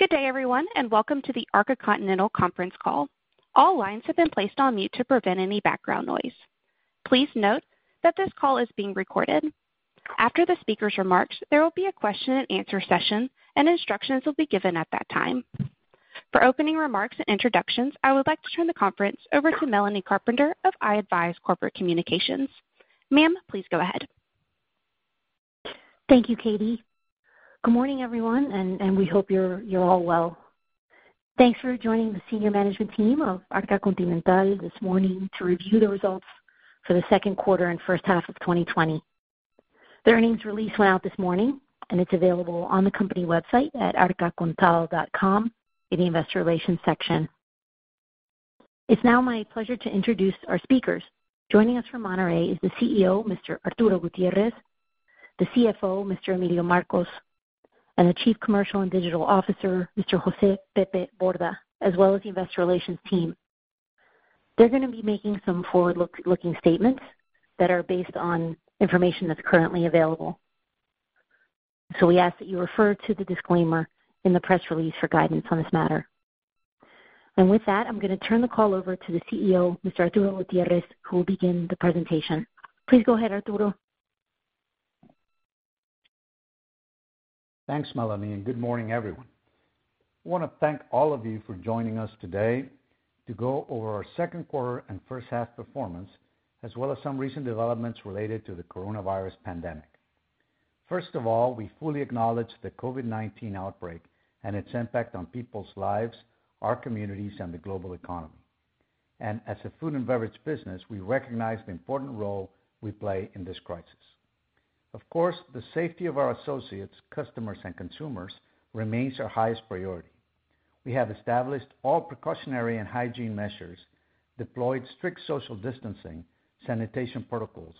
Good day, everyone, and welcome to the Arca Continental conference call. All lines have been placed on mute to prevent any background noise. Please note that this call is being recorded. After the speakers' remarks, there will be a question-and-answer session, and instructions will be given at that time. For opening remarks and introductions, I would like to turn the conference over to Melanie Carpenter of i-advize Corporate Communications. Ma'am, please go ahead. Thank you, Katie. Good morning, everyone, and we hope you're all well. Thanks for joining the senior management team of Arca Continental this morning to review the results for the second quarter and first half of 2020. The earnings release went out this morning, and it's available on the company website at arcacontinental.com in the investor relations section. It's now my pleasure to introduce our speakers. Joining us from Monterrey is the CEO, Mr. Arturo Gutierrez, the CFO, Mr. Emilio Marcos, and the Chief Commercial and Digital Officer, Mr. Jose 'Pepe' Borda, as well as the investor relations team. They're going to be making some forward-looking statements that are based on information that's currently available. We ask that you refer to the disclaimer in the press release for guidance on this matter. With that, I'm going to turn the call over to the CEO, Mr. Arturo Gutierrez, who will begin the presentation. Please go ahead, Arturo. Thanks, Melanie. Good morning, everyone. I want to thank all of you for joining us today to go over our second quarter and first half performance, as well as some recent developments related to the coronavirus pandemic. First of all, we fully acknowledge the COVID-19 outbreak and its impact on people's lives, our communities, and the global economy. As a food and beverage business, we recognize the important role we play in this crisis. Of course, the safety of our associates, customers, and consumers remains our highest priority. We have established all precautionary and hygiene measures, deployed strict social distancing, sanitation protocols,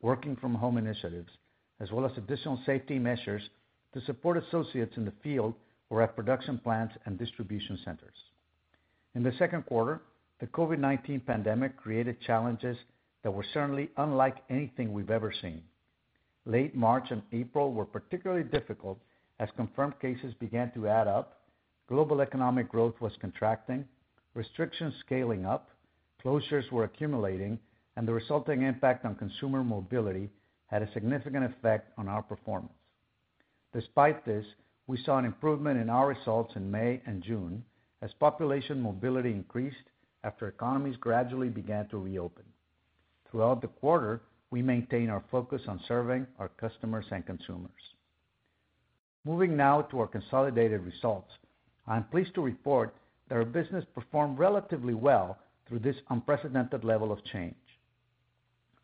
working from home initiatives, as well as additional safety measures to support associates in the field or at production plants and distribution centers. In the second quarter, the COVID-19 pandemic created challenges that were certainly unlike anything we've ever seen. Late March and April were particularly difficult as confirmed cases began to add up, global economic growth was contracting, restrictions scaling up, closures were accumulating, and the resulting impact on consumer mobility had a significant effect on our performance. Despite this, we saw an improvement in our results in May and June as population mobility increased after economies gradually began to reopen. Throughout the quarter, we maintained our focus on serving our customers and consumers. Moving now to our consolidated results. I'm pleased to report that our business performed relatively well through this unprecedented level of change.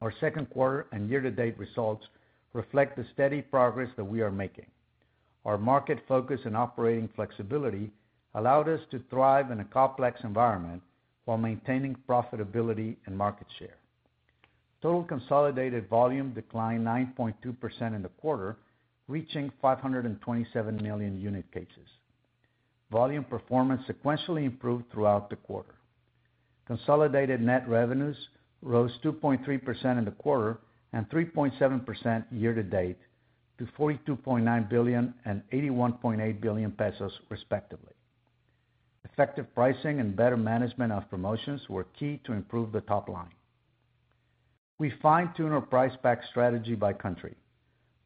Our second quarter and year-to-date results reflect the steady progress that we are making. Our market focus and operating flexibility allowed us to thrive in a complex environment while maintaining profitability and market share. Total consolidated volume declined 9.2% in the quarter, reaching 527 million unit cases. Volume performance sequentially improved throughout the quarter. Consolidated net revenues rose 2.3% in the quarter and 3.7% year-to-date to 42.9 billion and 81.8 billion pesos respectively. Effective pricing and better management of promotions were key to improve the top line. We fine-tune our price pack strategy by country.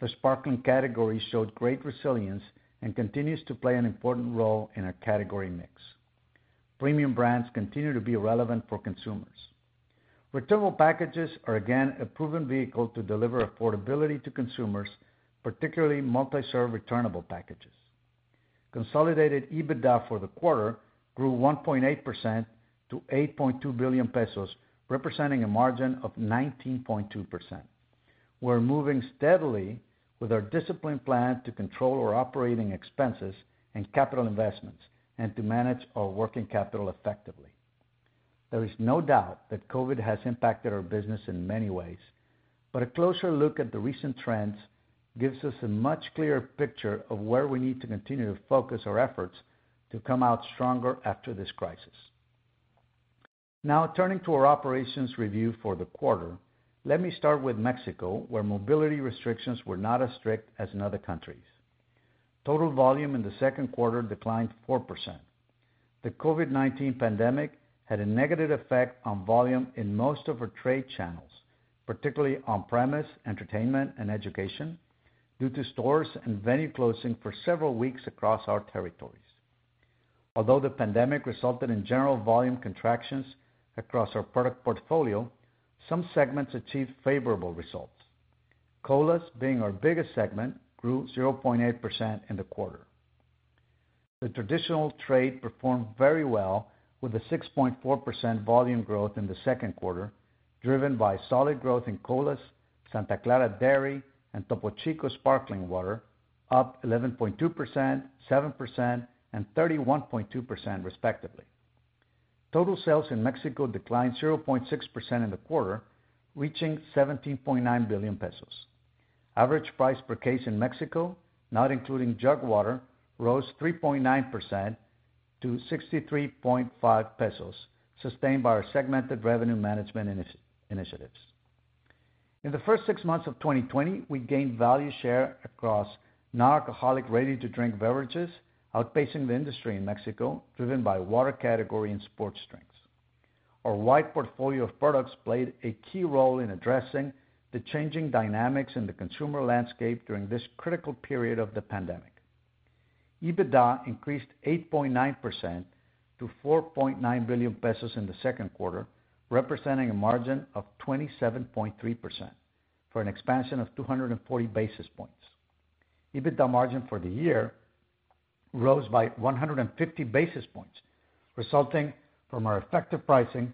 The sparkling category showed great resilience and continues to play an important role in our category mix. Premium brands continue to be relevant for consumers. Returnable packages are again a proven vehicle to deliver affordability to consumers, particularly multi-serve returnable packages. Consolidated EBITDA for the quarter grew 1.8% to 8.2 billion pesos, representing a margin of 19.2%. We're moving steadily with our disciplined plan to control our operating expenses and capital investments and to manage our working capital effectively. There is no doubt that COVID-19 has impacted our business in many ways, a closer look at the recent trends gives us a much clearer picture of where we need to continue to focus our efforts to come out stronger after this crisis. Turning to our operations review for the quarter, let me start with Mexico, where mobility restrictions were not as strict as in other countries. Total volume in the second quarter declined 4%. The COVID-19 pandemic had a negative effect on volume in most of our trade channels, particularly on-premise entertainment and education, due to stores and venue closing for several weeks across our territories. The pandemic resulted in general volume contractions across our product portfolio, some segments achieved favorable results. Colas, being our biggest segment, grew 0.8% in the quarter. The traditional trade performed very well with a 6.4% volume growth in the second quarter, driven by solid growth in Colas, Santa Clara Dairy, and Topo Chico Sparkling Water, up 11.2%, 7%, and 31.2% respectively. Total sales in Mexico declined 0.6% in the quarter, reaching 17.9 billion pesos. Average price per case in Mexico, not including jug water, rose 3.9% to 63.5 pesos, sustained by our segmented revenue management initiatives. In the first six months of 2020, we gained value share across non-alcoholic ready-to-drink beverages, outpacing the industry in Mexico, driven by water category and sports drinks. Our wide portfolio of products played a key role in addressing the changing dynamics in the consumer landscape during this critical period of the pandemic. EBITDA increased 8.9% to 4.9 billion pesos in the second quarter, representing a margin of 27.3%, for an expansion of 240 basis points. EBITDA margin for the year rose by 150 basis points, resulting from our effective pricing,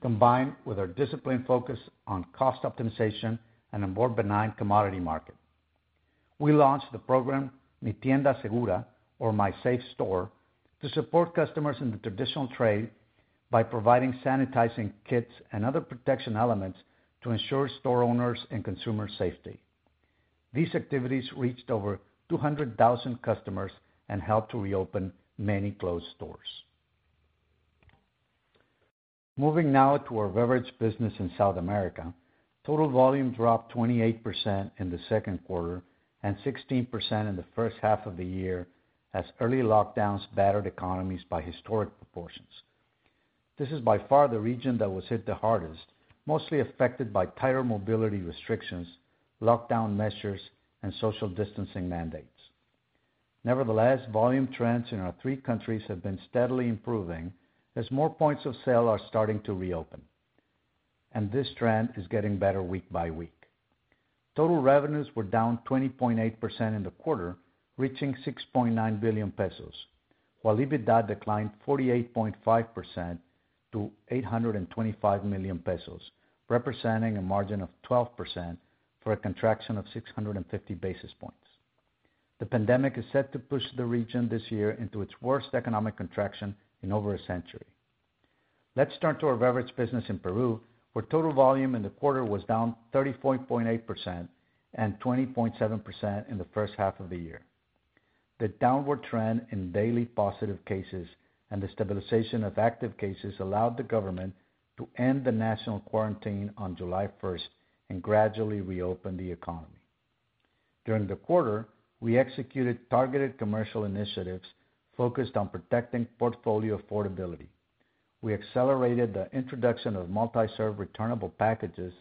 combined with our disciplined focus on cost optimization and a more benign commodity market. We launched the program Mi Tienda Segura, or My Safe Store, to support customers in the traditional trade by providing sanitizing kits and other protection elements to ensure store owners and consumer safety. These activities reached over 200,000 customers and helped to reopen many closed stores. Moving now to our beverage business in South America. Total volume dropped 28% in the second quarter and 16% in the first half of the year as early lockdowns battered economies by historic proportions. This is by far the region that was hit the hardest, mostly affected by tighter mobility restrictions, lockdown measures, and social distancing mandates. Nevertheless, volume trends in our three countries have been steadily improving as more points of sale are starting to reopen, and this trend is getting better week by week. Total revenues were down 20.8% in the quarter, reaching 6.9 billion pesos, while EBITDA declined 48.5% to 825 million pesos, representing a margin of 12% for a contraction of 650 basis points. The pandemic is set to push the region this year into its worst economic contraction in over one century. Let's turn to our beverage business in Peru, where total volume in the quarter was down 34.8% and 20.7% in the first half of the year. The downward trend in daily positive cases and the stabilization of active cases allowed the government to end the national quarantine on July 1st and gradually reopen the economy. During the quarter, we executed targeted commercial initiatives focused on protecting portfolio affordability. We accelerated the introduction of multi-serve returnable packages,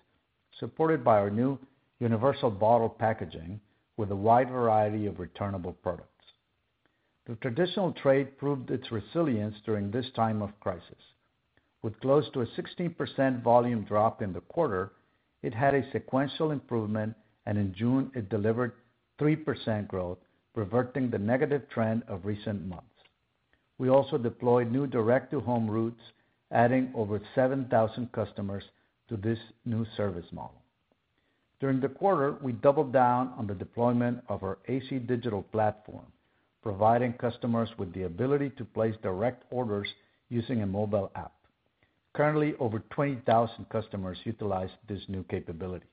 supported by our new universal bottle packaging with a wide variety of returnable products. The traditional trade proved its resilience during this time of crisis. With close to a 16% volume drop in the quarter, it had a sequential improvement, and in June, it delivered 3% growth, reverting the negative trend of recent months. We also deployed new direct-to-home routes, adding over 7,000 customers to this new service model. During the quarter, we doubled down on the deployment of our AC Digital platform, providing customers with the ability to place direct orders using a mobile app. Currently, over 20,000 customers utilize this new capability.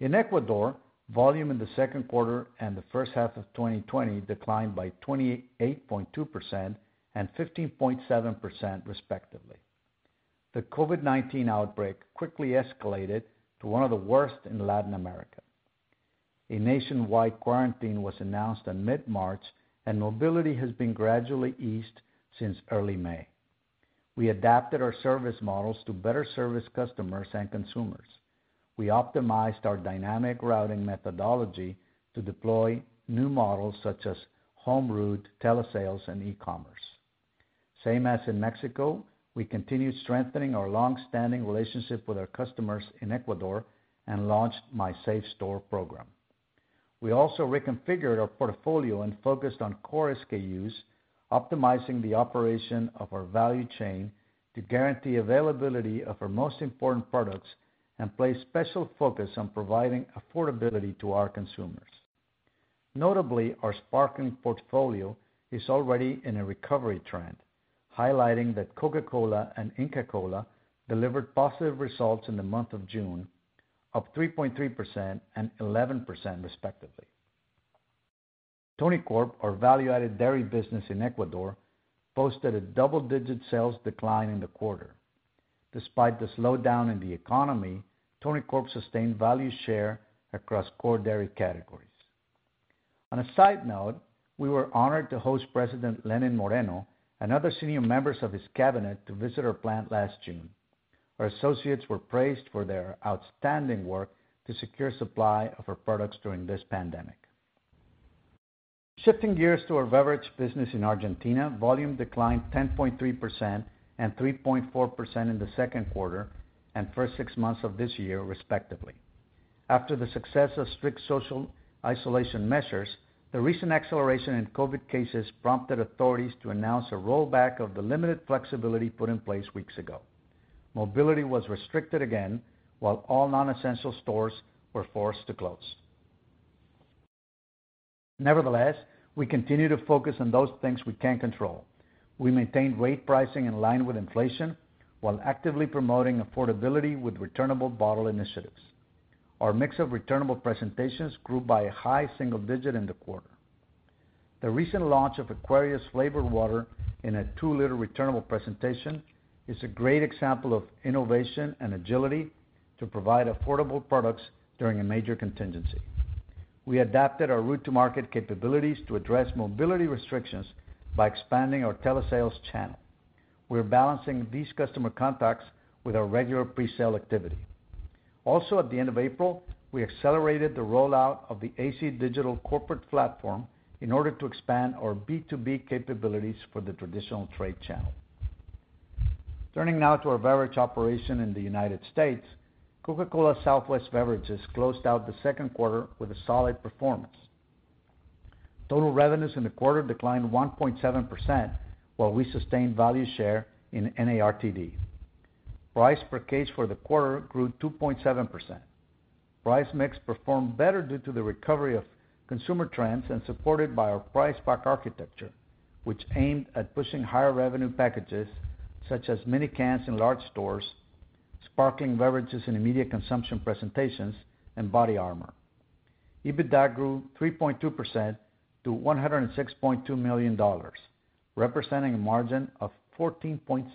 In Ecuador, volume in the second quarter and the first half of 2020 declined by 28.2% and 15.7% respectively. The COVID-19 outbreak quickly escalated to one of the worst in Latin America. A nationwide quarantine was announced in mid-March, and mobility has been gradually eased since early May. We adapted our service models to better service customers and consumers. We optimized our dynamic routing methodology to deploy new models such as home route, telesales, and e-commerce. Same as in Mexico, we continued strengthening our long-standing relationship with our customers in Ecuador and launched Mi Tienda Segura program. We also reconfigured our portfolio and focused on core SKUs, optimizing the operation of our value chain to guarantee availability of our most important products and place special focus on providing affordability to our consumers. Notably, our sparkling portfolio is already in a recovery trend, highlighting that Coca-Cola and Inca Kola delivered positive results in the month of June of 3.3% and 11% respectively. Tonicorp, our value-added dairy business in Ecuador, posted a double-digit sales decline in the quarter. Despite the slowdown in the economy, Tonicorp sustained value share across core dairy categories. On a side note, we were honored to host President Lenín Moreno and other senior members of his cabinet to visit our plant last June. Our associates were praised for their outstanding work to secure supply of our products during this pandemic. Shifting gears to our beverage business in Argentina, volume declined 10.3% and 3.4% in the second quarter and first six months of this year respectively. After the success of strict social isolation measures, the recent acceleration in COVID-19 cases prompted authorities to announce a rollback of the limited flexibility put in place weeks ago. Mobility was restricted again while all non-essential stores were forced to close. Nevertheless, we continue to focus on those things we can control. We maintain rate pricing in line with inflation while actively promoting affordability with returnable bottle initiatives. Our mix of returnable presentations grew by a high single digit in the quarter. The recent launch of Aquarius flavored water in a two-liter returnable presentation is a great example of innovation and agility to provide affordable products during a major contingency. We adapted our route-to-market capabilities to address mobility restrictions by expanding our telesales channel. We're balancing these customer contacts with our regular presale activity. Also at the end of April, we accelerated the rollout of the AC Digital corporate platform in order to expand our B2B capabilities for the traditional trade channel. Turning now to our beverage operation in the U.S., Coca-Cola Southwest Beverages closed out the second quarter with a solid performance. Total revenues in the quarter declined 1.7%, while we sustained value share in NARTD. Price per case for the quarter grew 2.7%. Price mix performed better due to the recovery of consumer trends and supported by our price pack architecture, which aimed at pushing higher revenue packages such as mini cans in large stores, sparkling beverages in immediate consumption presentations, and BODYARMOR. EBITDA grew 3.2% to $106.2 million, representing a margin of 14.6%,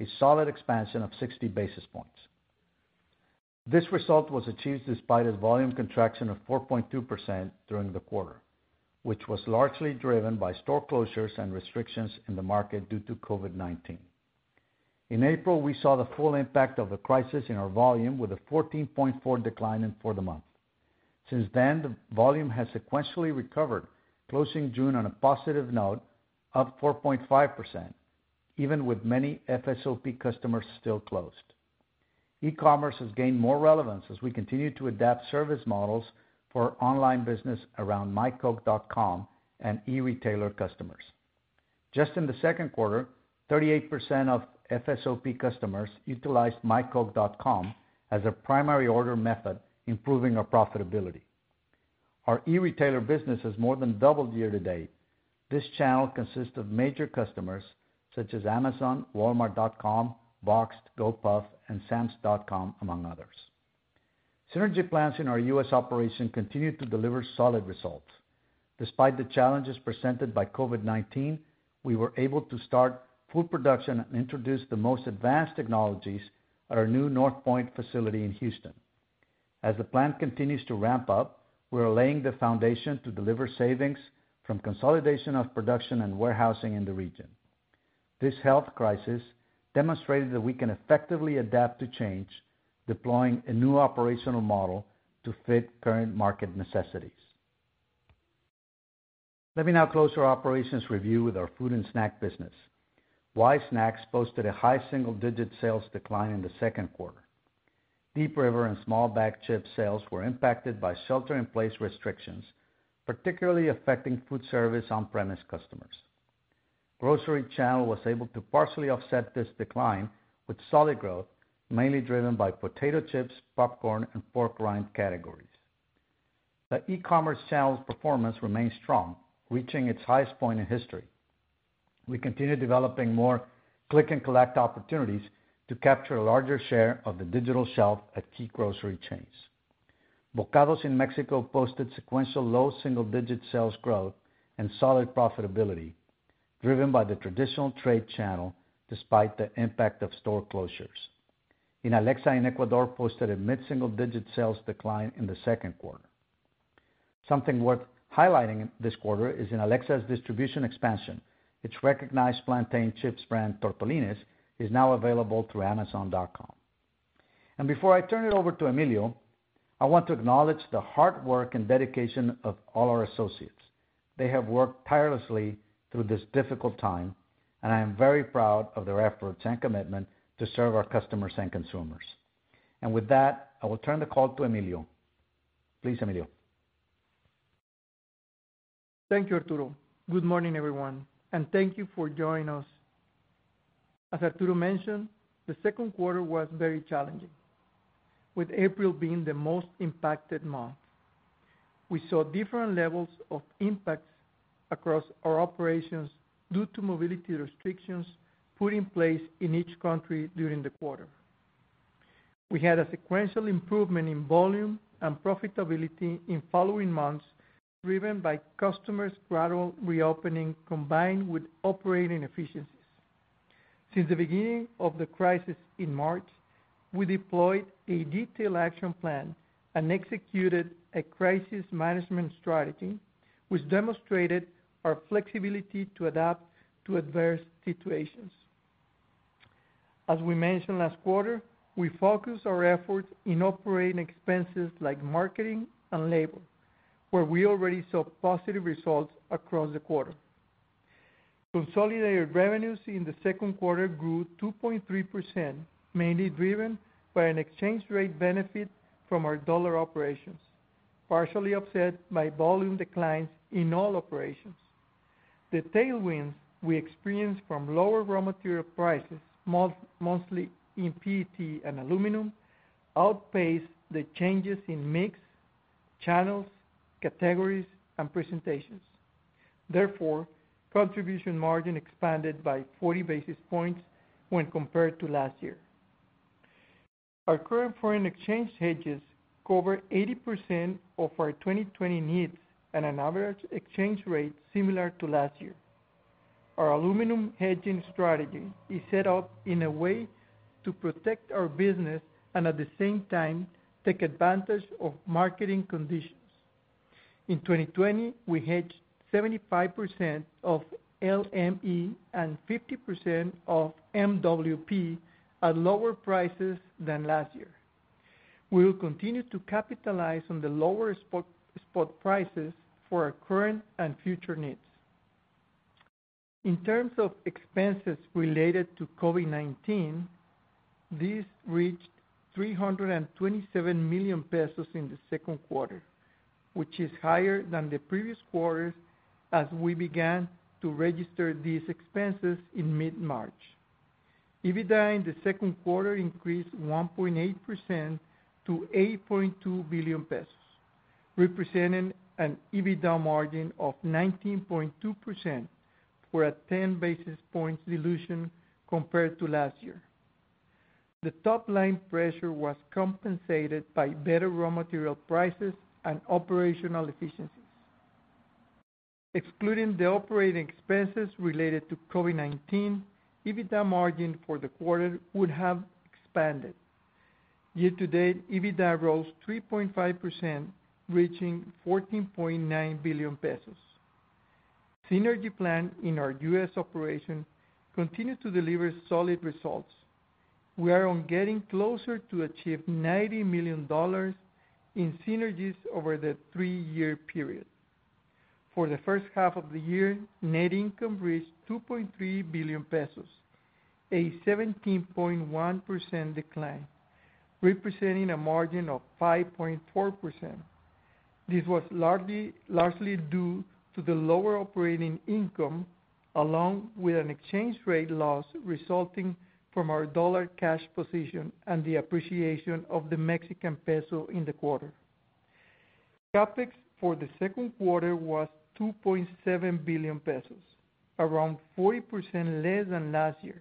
a solid expansion of 60 basis points. This result was achieved despite a volume contraction of 4.2% during the quarter, which was largely driven by store closures and restrictions in the market due to COVID-19. In April, we saw the full impact of the crisis in our volume with a 14.4% decline in for the month. Since then, the volume has sequentially recovered, closing June on a positive note of 4.5%, even with many FSOP customers still closed. E-commerce has gained more relevance as we continue to adapt service models for online business around mycoke.com and e-retailer customers. Just in the second quarter, 38% of FSOP customers utilized mycoke.com as their primary order method, improving our profitability. Our e-retailer business has more than doubled year to date. This channel consists of major customers such as Amazon, walmart.com, Boxed, Gopuff, and samsclub.com, among others. Synergy plans in our U.S. operation continued to deliver solid results. Despite the challenges presented by COVID-19, we were able to start full production and introduce the most advanced technologies at our new Northpoint facility in Houston. As the plant continues to ramp up, we're laying the foundation to deliver savings from consolidation of production and warehousing in the region. This health crisis demonstrated that we can effectively adapt to change, deploying a new operational model to fit current market necessities. Let me now close our operations review with our food and snack business. Wise Snacks posted a high single-digit sales decline in the second quarter. Deep River and small bag chip sales were impacted by shelter-in-place restrictions, particularly affecting food service on-premise customers. Grocery channel was able to partially offset this decline with solid growth, mainly driven by potato chips, popcorn, and pork rind categories. The e-commerce channel's performance remained strong, reaching its highest point in history. We continue developing more click-and-collect opportunities to capture a larger share of the digital shelf at key grocery chains. Bokados in Mexico posted sequential low double-digit sales growth and solid profitability, driven by the traditional trade channel despite the impact of store closures. Inalecsa in Ecuador posted a mid-single-digit sales decline in the second quarter. Something worth highlighting this quarter is Inalecsa's distribution expansion. Its recognized plantain chips brand, Tortolines, is now available through amazon.com. Before I turn it over to Emilio, I want to acknowledge the hard work and dedication of all our associates. They have worked tirelessly through this difficult time, and I am very proud of their efforts and commitment to serve our customers and consumers. With that, I will turn the call to Emilio. Please, Emilio. Thank you, Arturo. Good morning, everyone, and thank you for joining us. As Arturo mentioned, the second quarter was very challenging, with April being the most impacted month. We saw different levels of impacts across our operations due to mobility restrictions put in place in each country during the quarter. We had a sequential improvement in volume and profitability in following months, driven by customers' gradual reopening, combined with operating efficiencies. Since the beginning of the crisis in March, we deployed a detailed action plan and executed a crisis management strategy, which demonstrated our flexibility to adapt to adverse situations. As we mentioned last quarter, we focused our efforts in operating expenses like marketing and labor, where we already saw positive results across the quarter. Consolidated revenues in the second quarter grew 2.3%, mainly driven by an exchange rate benefit from our dollar operations, partially offset by volume declines in all operations. The tailwinds we experienced from lower raw material prices, mostly in PET and aluminum, outpaced the changes in mix, channels, categories, and presentations. Contribution margin expanded by 40 basis points when compared to last year. Our current foreign exchange hedges cover 80% of our 2020 needs at an average exchange rate similar to last year. Our aluminum hedging strategy is set up in a way to protect our business and, at the same time, take advantage of marketing conditions. In 2020, we hedged 75% of LME and 50% of MWP at lower prices than last year. We will continue to capitalize on the lower spot prices for our current and future needs. In terms of expenses related to COVID-19, these reached 327 million pesos in the second quarter, which is higher than the previous quarters, as we began to register these expenses in mid-March. EBITDA in the second quarter increased 1.8% to 8.2 billion pesos, representing an EBITDA margin of 19.2%, or a 10 basis points dilution compared to last year. The top-line pressure was compensated by better raw material prices and operational efficiencies. Excluding the operating expenses related to COVID-19, EBITDA margin for the quarter would have expanded. Year-to-date, EBITDA rose 3.5%, reaching 14.9 billion pesos. Synergy plan in our U.S. operation continued to deliver solid results. We are getting closer to achieve $90 million in synergies over the three-year period. For the first half of the year, net income reached 2.3 billion pesos, a 17.1% decline, representing a margin of 5.4%. This was largely due to the lower operating income, along with an exchange rate loss resulting from our dollar cash position and the appreciation of the Mexican peso in the quarter. CapEx for the second quarter was 2.7 billion pesos, around 40% less than last year,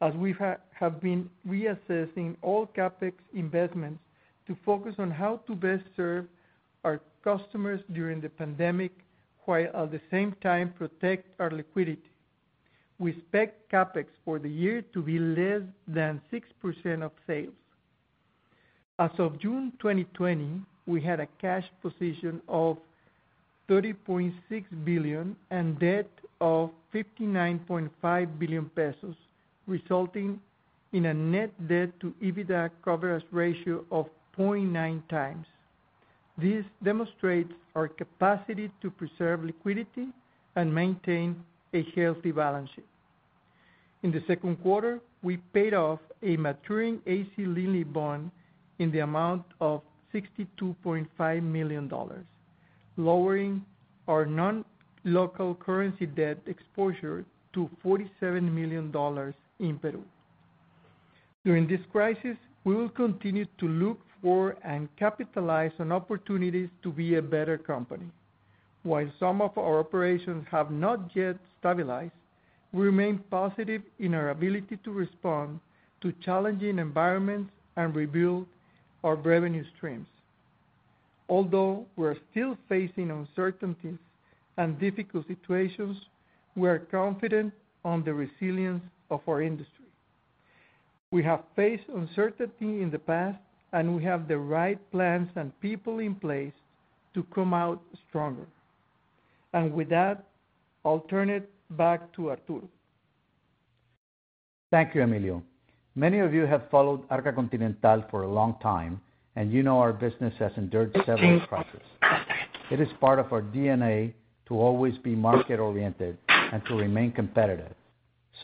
as we have been reassessing all CapEx investments to focus on how to best serve our customers during the pandemic, while at the same time protect our liquidity. We expect CapEx for the year to be less than 6% of sales. As of June 2020, we had a cash position of 30.6 billion and debt of 59.5 billion pesos, resulting in a net debt to EBITDA coverage ratio of 0.9x. This demonstrates our capacity to preserve liquidity and maintain a healthy balance sheet. In the second quarter, we paid off a maturing AC Lindley bond in the amount of $62.5 million, lowering our non-local currency debt exposure to $47 million in Peru. During this crisis, we will continue to look for and capitalize on opportunities to be a better company. While some of our operations have not yet stabilized, we remain positive in our ability to respond to challenging environments and rebuild our revenue streams. We're still facing uncertainties and difficult situations, we are confident on the resilience of our industry. We have faced uncertainty in the past, we have the right plans and people in place to come out stronger. With that, I'll turn it back to Arturo. Thank you, Emilio. Many of you have followed Arca Continental for a long time, you know our business has endured several crisis. It is part of our DNA to always be market-oriented and to remain competitive.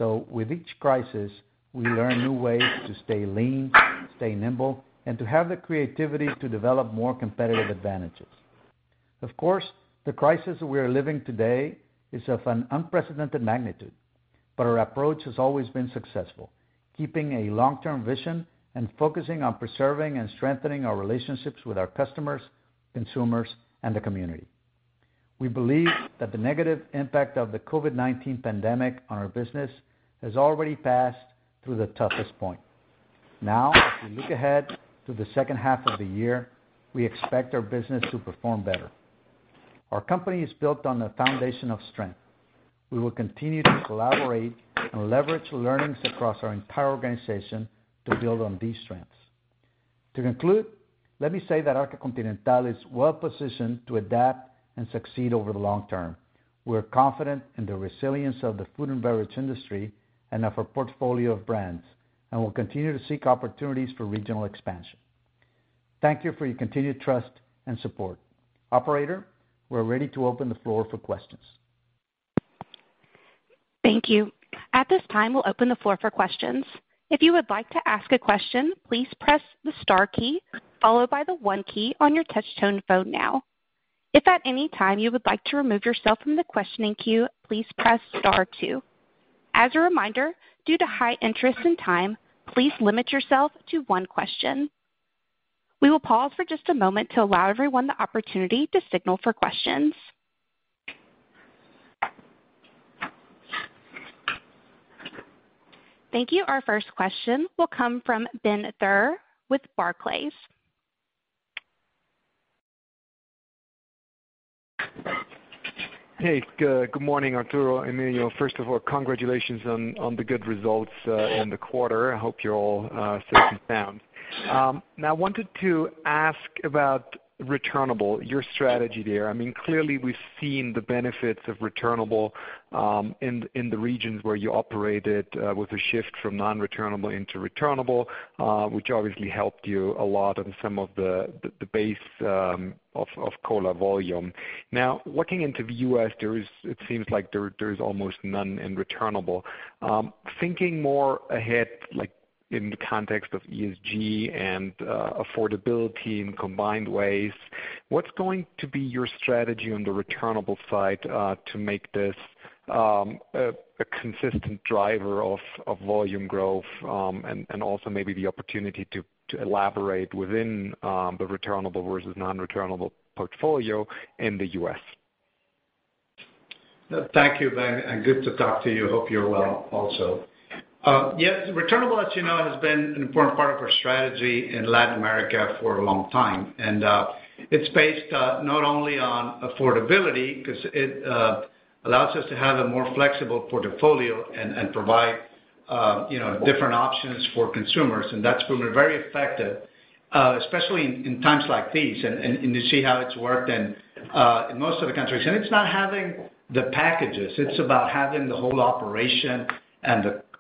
With each crisis, we learn new ways to stay lean, stay nimble, and to have the creativity to develop more competitive advantages. Of course, the crisis we are living today is of an unprecedented magnitude, our approach has always been successful, keeping a long-term vision and focusing on preserving and strengthening our relationships with our customers, consumers, and the community. We believe that the negative impact of the COVID-19 pandemic on our business has already passed through the toughest point. As we look ahead to the second half of the year, we expect our business to perform better. Our company is built on a foundation of strength. We will continue to collaborate and leverage learnings across our entire organization to build on these strengths. To conclude, let me say that Arca Continental is well-positioned to adapt and succeed over the long term. We're confident in the resilience of the food and beverage industry and of our portfolio of brands, and we'll continue to seek opportunities for regional expansion. Thank you for your continued trust and support. Operator, we're ready to open the floor for questions. Thank you. At this time, we'll open the floor for questions. If you would like to ask a question, please press the star key, followed by the one key on your touch-tone phone now. If at any time you would like to remove yourself from the questioning queue, please press star two. As a reminder, due to high interest and time, please limit yourself to one question. We will pause for just a moment to allow everyone the opportunity to signal for questions. Thank you. Our first question will come from Ben Theurer with Barclays. Hey. Good morning, Arturo, Emilio. First of all, congratulations on the good results in the quarter. I hope you're all safe and sound. Now, I wanted to ask about returnable, your strategy there. Clearly, we've seen the benefits of returnable in the regions where you operated, with a shift from non-returnable into returnable, which obviously helped you a lot on some of the base of Coca-Cola volume. Now, looking into the U.S., it seems like there is almost none in returnable. Thinking more ahead, like in the context of ESG and affordability in combined ways, what's going to be your strategy on the returnable side to make this a consistent driver of volume growth? Also maybe the opportunity to elaborate within the returnable versus non-returnable portfolio in the U.S. Thank you, Ben. Good to talk to you. Hope you're well also. Yes, returnable, as you know, has been an important part of our strategy in Latin America for a long time. It's based not only on affordability, because it allows us to have a more flexible portfolio and provide different options for consumers. That's proven very effective, especially in times like these, and to see how it's worked in most of the countries. It's not having the packages, it's about having the whole operation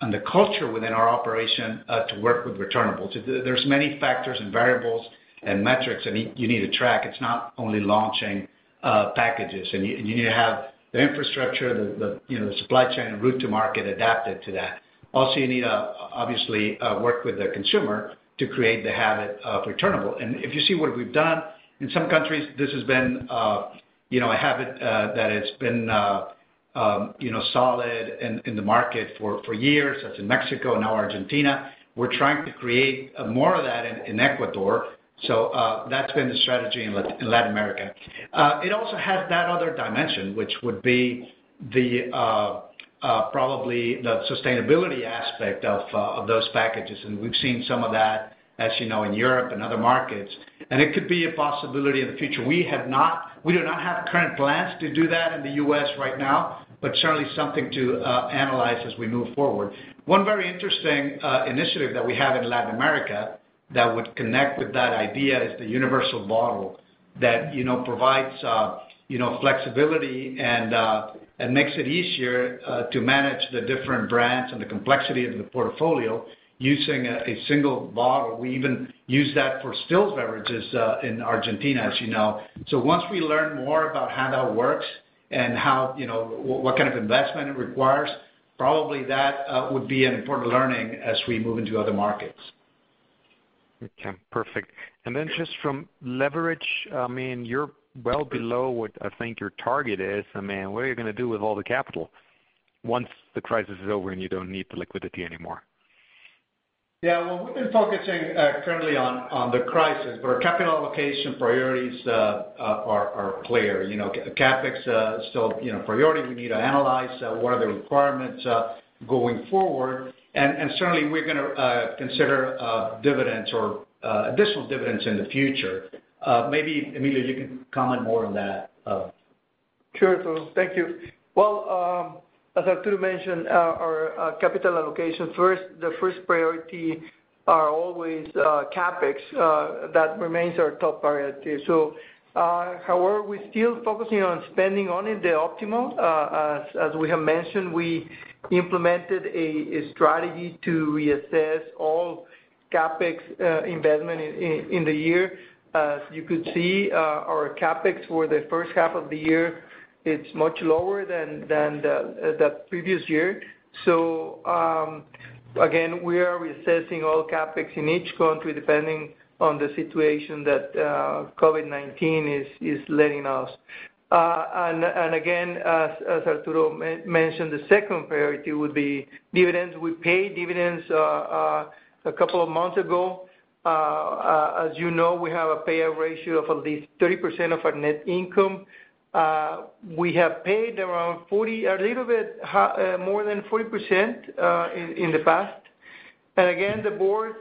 and the culture within our operation, to work with returnables. There's many factors and variables and metrics that you need to track. It's not only launching packages. You need to have the infrastructure, the supply chain, and route to market adapted to that. You need to obviously, work with the consumer to create the habit of returnable. If you see what we've done, in some countries, this has been a habit that has been solid in the market for years, such as Mexico, now Argentina. We're trying to create more of that in Ecuador. That's been the strategy in Latin America. It also has that other dimension, which would be probably the sustainability aspect of those packages. We've seen some of that, as you know, in Europe and other markets, and it could be a possibility in the future. We do not have current plans to do that in the U.S. right now, but certainly something to analyze as we move forward. One very interesting initiative that we have in Latin America that would connect with that idea is the universal bottle that provides flexibility and makes it easier to manage the different brands and the complexity of the portfolio using a single bottle. We even use that for still beverages in Argentina, as you know. Once we learn more about how that works and what kind of investment it requires, probably that would be an important learning as we move into other markets. Okay, perfect. Just from leverage, you're well below what I think your target is. What are you going to do with all the capital once the crisis is over and you don't need the liquidity anymore? Yeah. Well, we've been focusing currently on the crisis, but our capital allocation priorities are clear. CapEx is still priority. We need to analyze what are the requirements going forward, and certainly, we're going to consider dividends or additional dividends in the future. Maybe, Emilio, you can comment more on that. Sure, Arturo. Thank you. Well, as Arturo mentioned, our capital allocation, the first priority are always CapEx. That remains our top priority. However, we're still focusing on spending only the optimal. As we have mentioned, we implemented a strategy to reassess all CapEx investment in the year. As you could see, our CapEx for the first half of the year, it's much lower than the previous year. Again, we are reassessing all CapEx in each country depending on the situation that COVID-19 is letting us. Again, as Arturo mentioned, the second priority would be dividends. We paid dividends a couple of months ago. As you know, we have a payout ratio of at least 30% of our net income. We have paid a little bit more than 40% in the past. Again, the board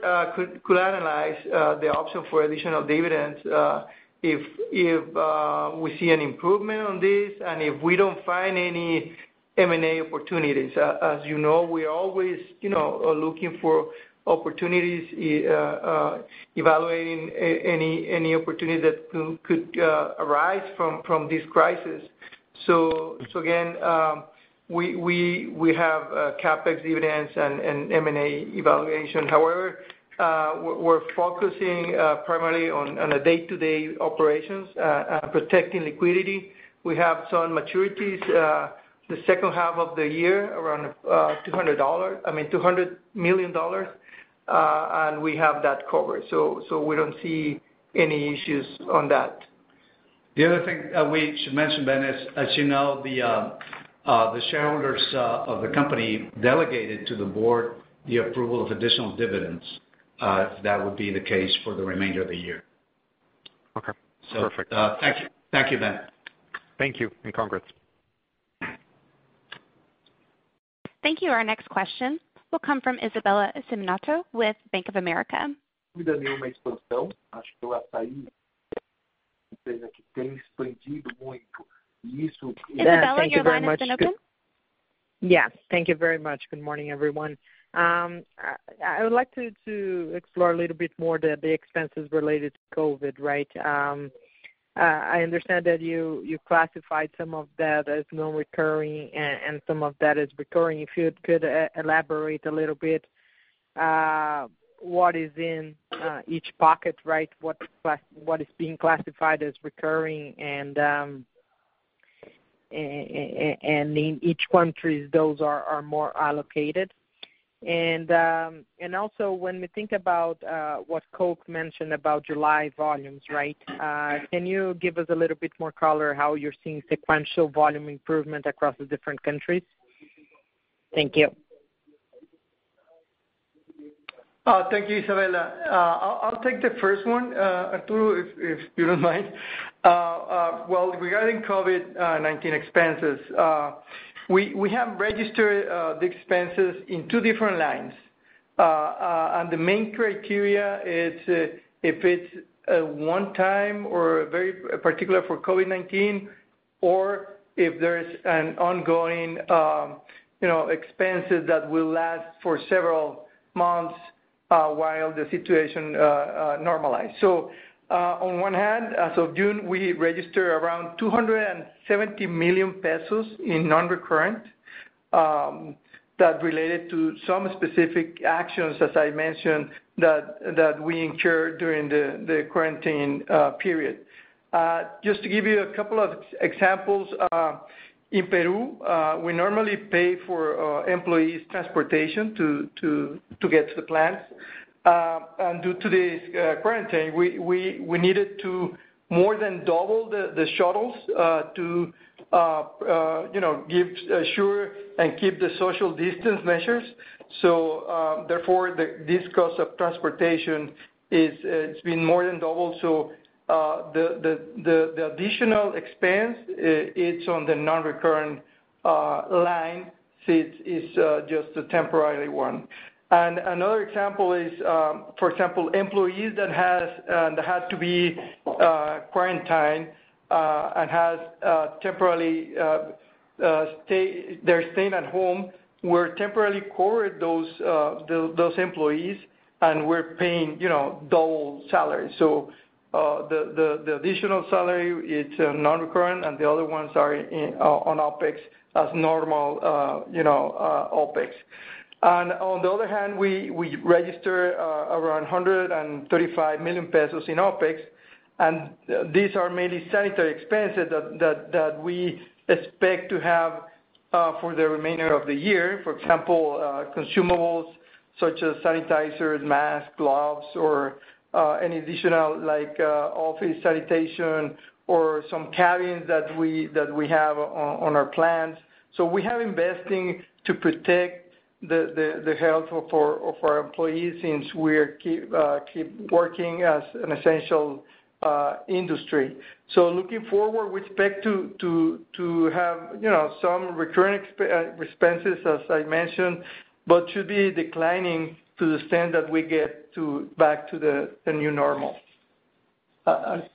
could analyze the option for additional dividends, if we see an improvement on this and if we don't find any M&A opportunities. As you know, we always are looking for opportunities, evaluating any opportunity that could arise from this crisis. Again, we have CapEx dividends and M&A evaluation. However, we're focusing primarily on a day-to-day operations, protecting liquidity. We have some maturities, the second half of the year, around $200 million, and we have that covered. We don't see any issues on that. The other thing we should mention, Ben, is, as you know, the shareholders of the company delegated to the board the approval of additional dividends, if that would be the case for the remainder of the year. Okay, perfect. Thank you, Ben. Thank you. Congrats. Thank you. Our next question will come from Isabella Simonato with Bank of America. Isabella, your line is now open. Yes. Thank you very much. Good morning, everyone. I would like to explore a little bit more the expenses related to COVID, right? I understand that you classified some of that as non-recurring and some of that as recurring. If you could elaborate a little bit, what is in each pocket, right? What is being classified as recurring, and in each country, those are more allocated. Also when we think about what Coke mentioned about July volumes, right? Can you give us a little bit more color how you're seeing sequential volume improvement across the different countries? Thank you. Thank you, Isabella. I'll take the first one, Arturo, if you don't mind. Regarding COVID-19 expenses, we have registered the expenses in two different lines. The main criteria is if it's a one-time or very particular for COVID-19, or if there's an ongoing expenses that will last for several months while the situation normalize. On one hand, as of June, we registered around 270 million pesos in non-recurrent, that related to some specific actions, as I mentioned, that we incurred during the quarantine period. Just to give you a couple of examples, in Peru, we normally pay for employees' transportation to get to the plants. Due to this quarantine, we needed to more than double the shuttles to ensure and keep the social distance measures. Therefore, this cost of transportation it's been more than doubled. The additional expense, it's on the non-recurrent line, since it's just a temporarily one. Another example is, for example, employees that had to be quarantined, and they're staying at home, we're temporarily covering those employees, and we're paying double salary. The additional salary, it's non-recurrent, and the other ones are on OpEx as normal OpEx. On the other hand, we registered around 135 million pesos in OpEx, and these are mainly sanitary expenses that we expect to have for the remainder of the year. For example, consumables such as sanitizers, masks, gloves, or any additional office sanitation or some cabins that we have on our plants. We have investing to protect the health of our employees since we keep working as an essential industry. Looking forward, we expect to have some recurring expenses, as I mentioned, but to be declining to the extent that we get back to the new normal. Arturo.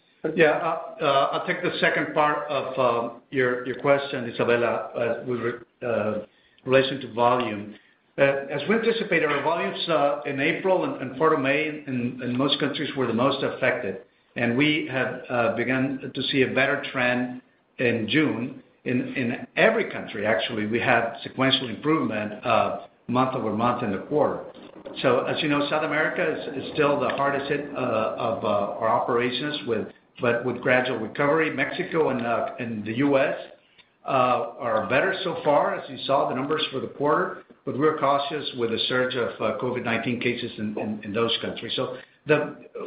I'll take the second part of your question, Isabella, with relation to volume. As we anticipated, our volumes in April and part of May in most countries were the most affected, and we have begun to see a better trend in June. In every country, actually, we had sequential improvement of month-over-month in the quarter. As you know, South America is still the hardest hit of our operations, but with gradual recovery. Mexico and the U.S. are better so far, as you saw the numbers for the quarter, but we're cautious with the surge of COVID-19 cases in those countries.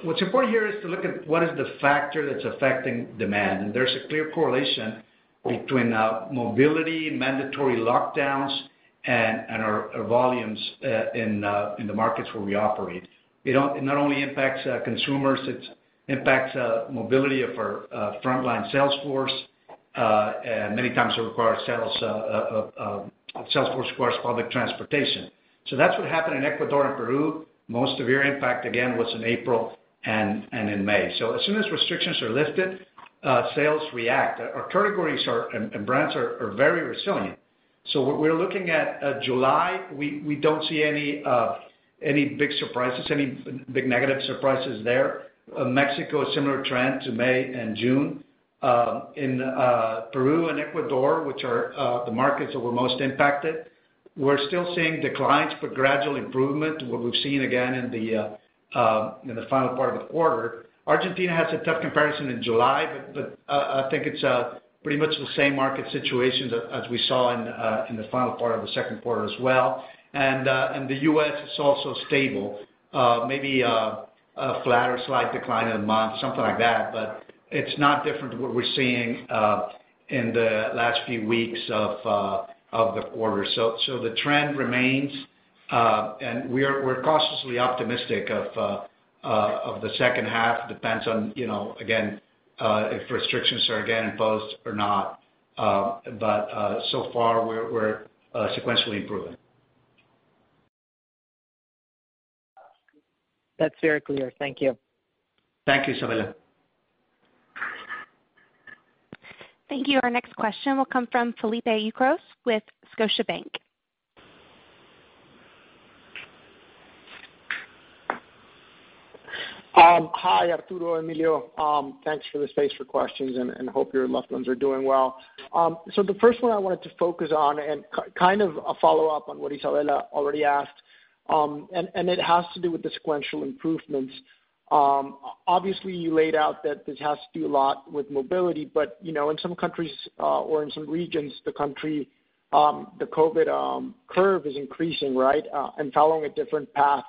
What's important here is to look at what is the factor that's affecting demand, and there's a clear correlation between mobility, mandatory lockdowns, and our volumes in the markets where we operate. It not only impacts consumers, it impacts mobility of our frontline sales force. Many times our sales force requires public transportation. That's what happened in Ecuador and Peru. Most severe impact, again, was in April and in May. As soon as restrictions are lifted, sales react. Our categories and brands are very resilient. What we're looking at July, we don't see any big surprises, any big negative surprises there. Mexico, a similar trend to May and June. In Peru and Ecuador, which are the markets that were most impacted, we're still seeing declines, but gradual improvement, what we've seen again in the final part of the quarter. Argentina has a tough comparison in July, but I think it's pretty much the same market situation as we saw in the final part of the second quarter as well. The U.S. is also stable. Maybe a flatter, slight decline in a month, something like that, but it's not different to what we're seeing in the last few weeks of the quarter. The trend remains. We're cautiously optimistic of the second half. Depends on, again, if restrictions are again imposed or not. So far, we're sequentially improving. That's very clear. Thank you. Thank you, Isabella. Thank you. Our next question will come from Felipe Ucros with Scotiabank. Hi, Arturo, Emilio. Hope your loved ones are doing well. The first one I wanted to focus on and kind of a follow-up on what Isabella already asked, it has to do with the sequential improvements. Obviously, you laid out that this has to do a lot with mobility, in some countries or in some regions of the country, the COVID-19 curve is increasing, right? Following a different path.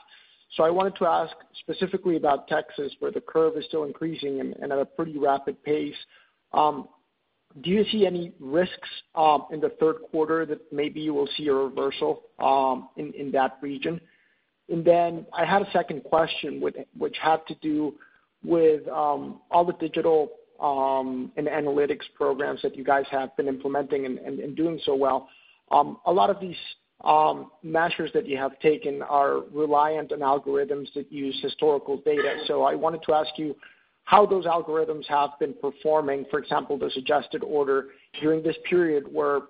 I wanted to ask specifically about Texas, where the curve is still increasing and at a pretty rapid pace. Do you see any risks in the third quarter that maybe you will see a reversal in that region? I had a second question which had to do with all the digital and analytics programs that you guys have been implementing and doing so well. A lot of these measures that you have taken are reliant on algorithms that use historical data. I wanted to ask you how those algorithms have been performing, for example, the suggested order during this period where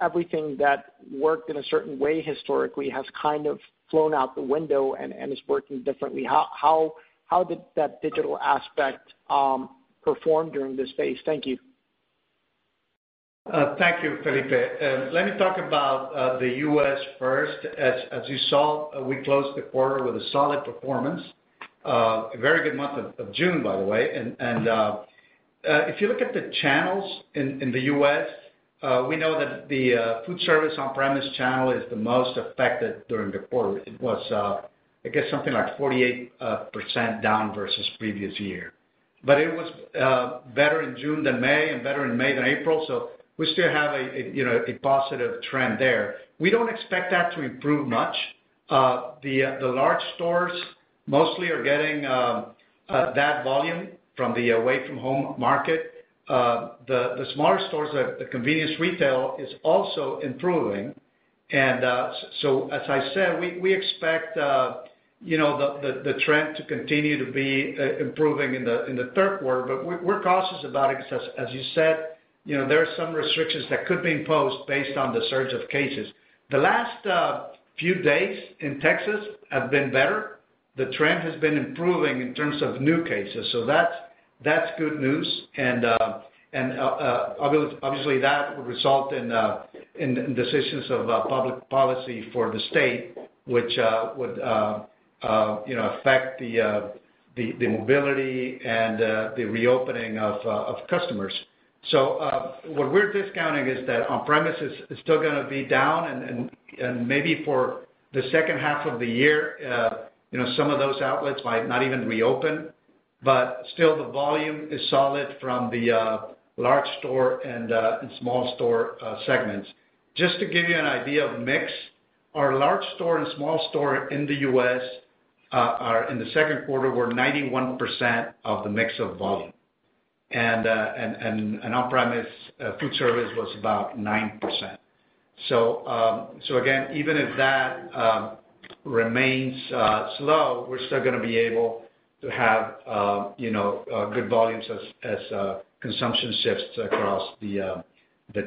everything that worked in a certain way historically has kind of flown out the window and is working differently. How did that digital aspect perform during this phase? Thank you. Thank you, Felipe. Let me talk about the U.S. first. As you saw, we closed the quarter with a solid performance. A very good month of June, by the way. If you look at the channels in the U.S., we know that the food service on-premise channel is the most affected during the quarter. It was, I guess, something like 48% down versus previous year. It was better in June than May and better in May than April, so we still have a positive trend there. We don't expect that to improve much. The large stores mostly are getting that volume from the away-from-home market. The smaller stores, the convenience retail, is also improving. As I said, we expect the trend to continue to be improving in the third quarter, but we're cautious about it because as you said, there are some restrictions that could be imposed based on the surge of cases. The last few days in Texas have been better. The trend has been improving in terms of new cases, so that's good news. Obviously, that would result in decisions of public policy for the state, which would affect the mobility and the reopening of customers. What we're discounting is that on-premise is still going to be down, and maybe for the second half of the year some of those outlets might not even reopen. Still the volume is solid from the large store and small store segments. Just to give you an idea of mix, our large store and small store in the U.S. in the second quarter were 91% of the mix of volume. On-premise food service was about 9%. Again, even if that remains slow, we're still going to be able to have good volumes as consumption shifts across the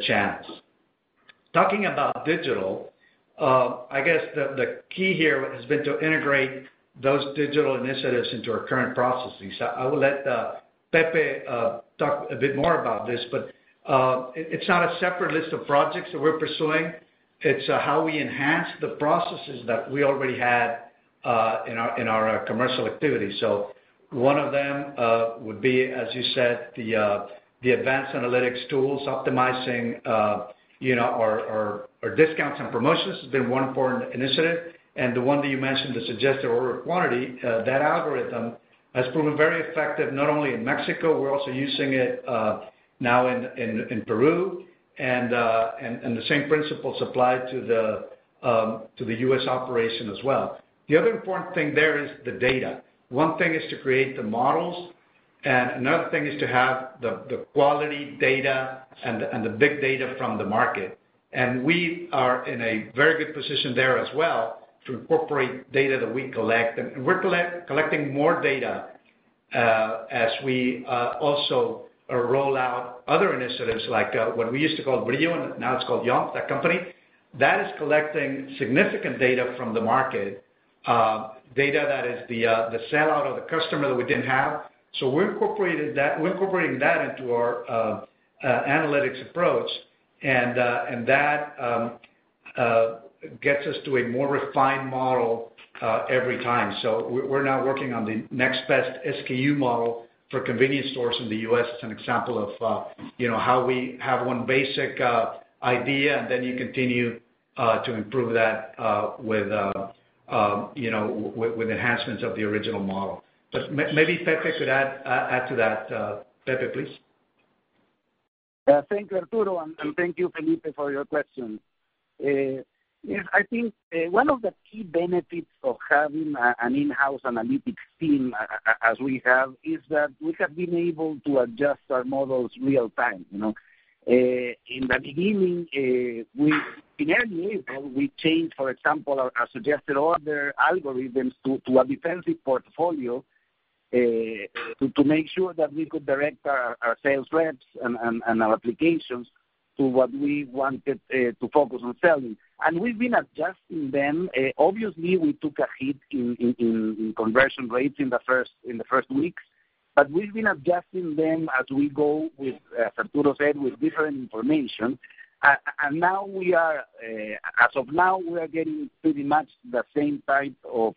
channels. Talking about digital, I guess the key here has been to integrate those digital initiatives into our current processes. I will let Pepe talk a bit more about this, but it's not a separate list of projects that we're pursuing. It's how we enhance the processes that we already had in our commercial activity. One of them would be, as you said, the advanced analytics tools optimizing our discounts and promotions has been one important initiative. The one that you mentioned, the suggested order quantity, that algorithm has proven very effective not only in Mexico, we're also using it now in Peru. The same principles apply to the U.S. operation as well. The other important thing there is the data. One thing is to create the models, and another thing is to have the quality data and the big data from the market. We are in a very good position there as well to incorporate data that we collect. We're collecting more data as we also roll out other initiatives like what we used to call Brio, and now it's called Yomp!, the company. That is collecting significant data from the market, data that is the sellout of the customer that we didn't have. We're incorporating that into our analytics approach, and that gets us to a more refined model every time. We're now working on the next best SKU model for convenience stores in the U.S. It's an example of how we have one basic idea, and then you continue to improve that with enhancements of the original model. Maybe Pepe could add to that. Pepe, please. Thank you, Arturo. Thank you, Felipe, for your question. Yes, I think one of the key benefits of having an in-house analytics team as we have is that we have been able to adjust our models real time. In the beginning, in early April, we changed, for example, our suggested order algorithms to a defensive portfolio to make sure that we could direct our sales reps and our applications to what we wanted to focus on selling. We've been adjusting them. Obviously, we took a hit in conversion rates in the first weeks, but we've been adjusting them as we go with, as Arturo said, with different information. As of now, we are getting pretty much the same type of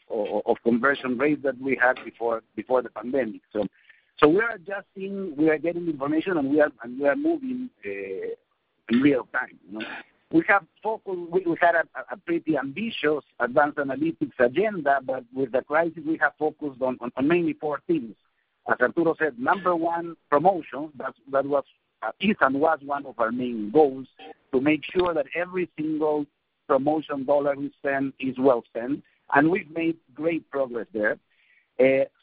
conversion rate that we had before the pandemic. We are adjusting, we are getting information, and we are moving in real time. We had a pretty ambitious advanced analytics agenda. With the crisis, we have focused on mainly four things. As Arturo said, number one, promotion. That is and was one of our main goals, to make sure that every single promotion MXN we spend is well spent. We've made great progress there.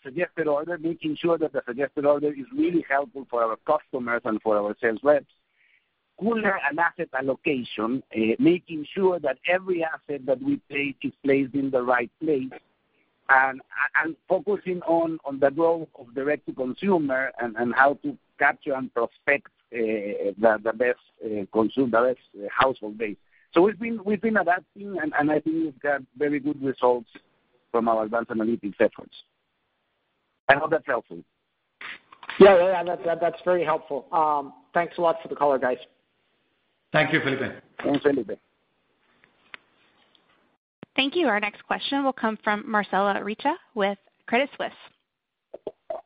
Suggested order, making sure that the suggested order is really helpful for our customers and for our sales reps. Cooler and asset allocation, making sure that every asset that we take is placed in the right place. Focusing on the growth of direct-to-consumer and how to capture and prospect the best consumer, the best household base. We've been adapting. I think we've got very good results from our advanced analytics efforts. I hope that's helpful. Yeah, that's very helpful. Thanks a lot for the color, guys. Thank you, Felipe. Thanks, Felipe. Thank you. Our next question will come from Marcella Recchia with Credit Suisse.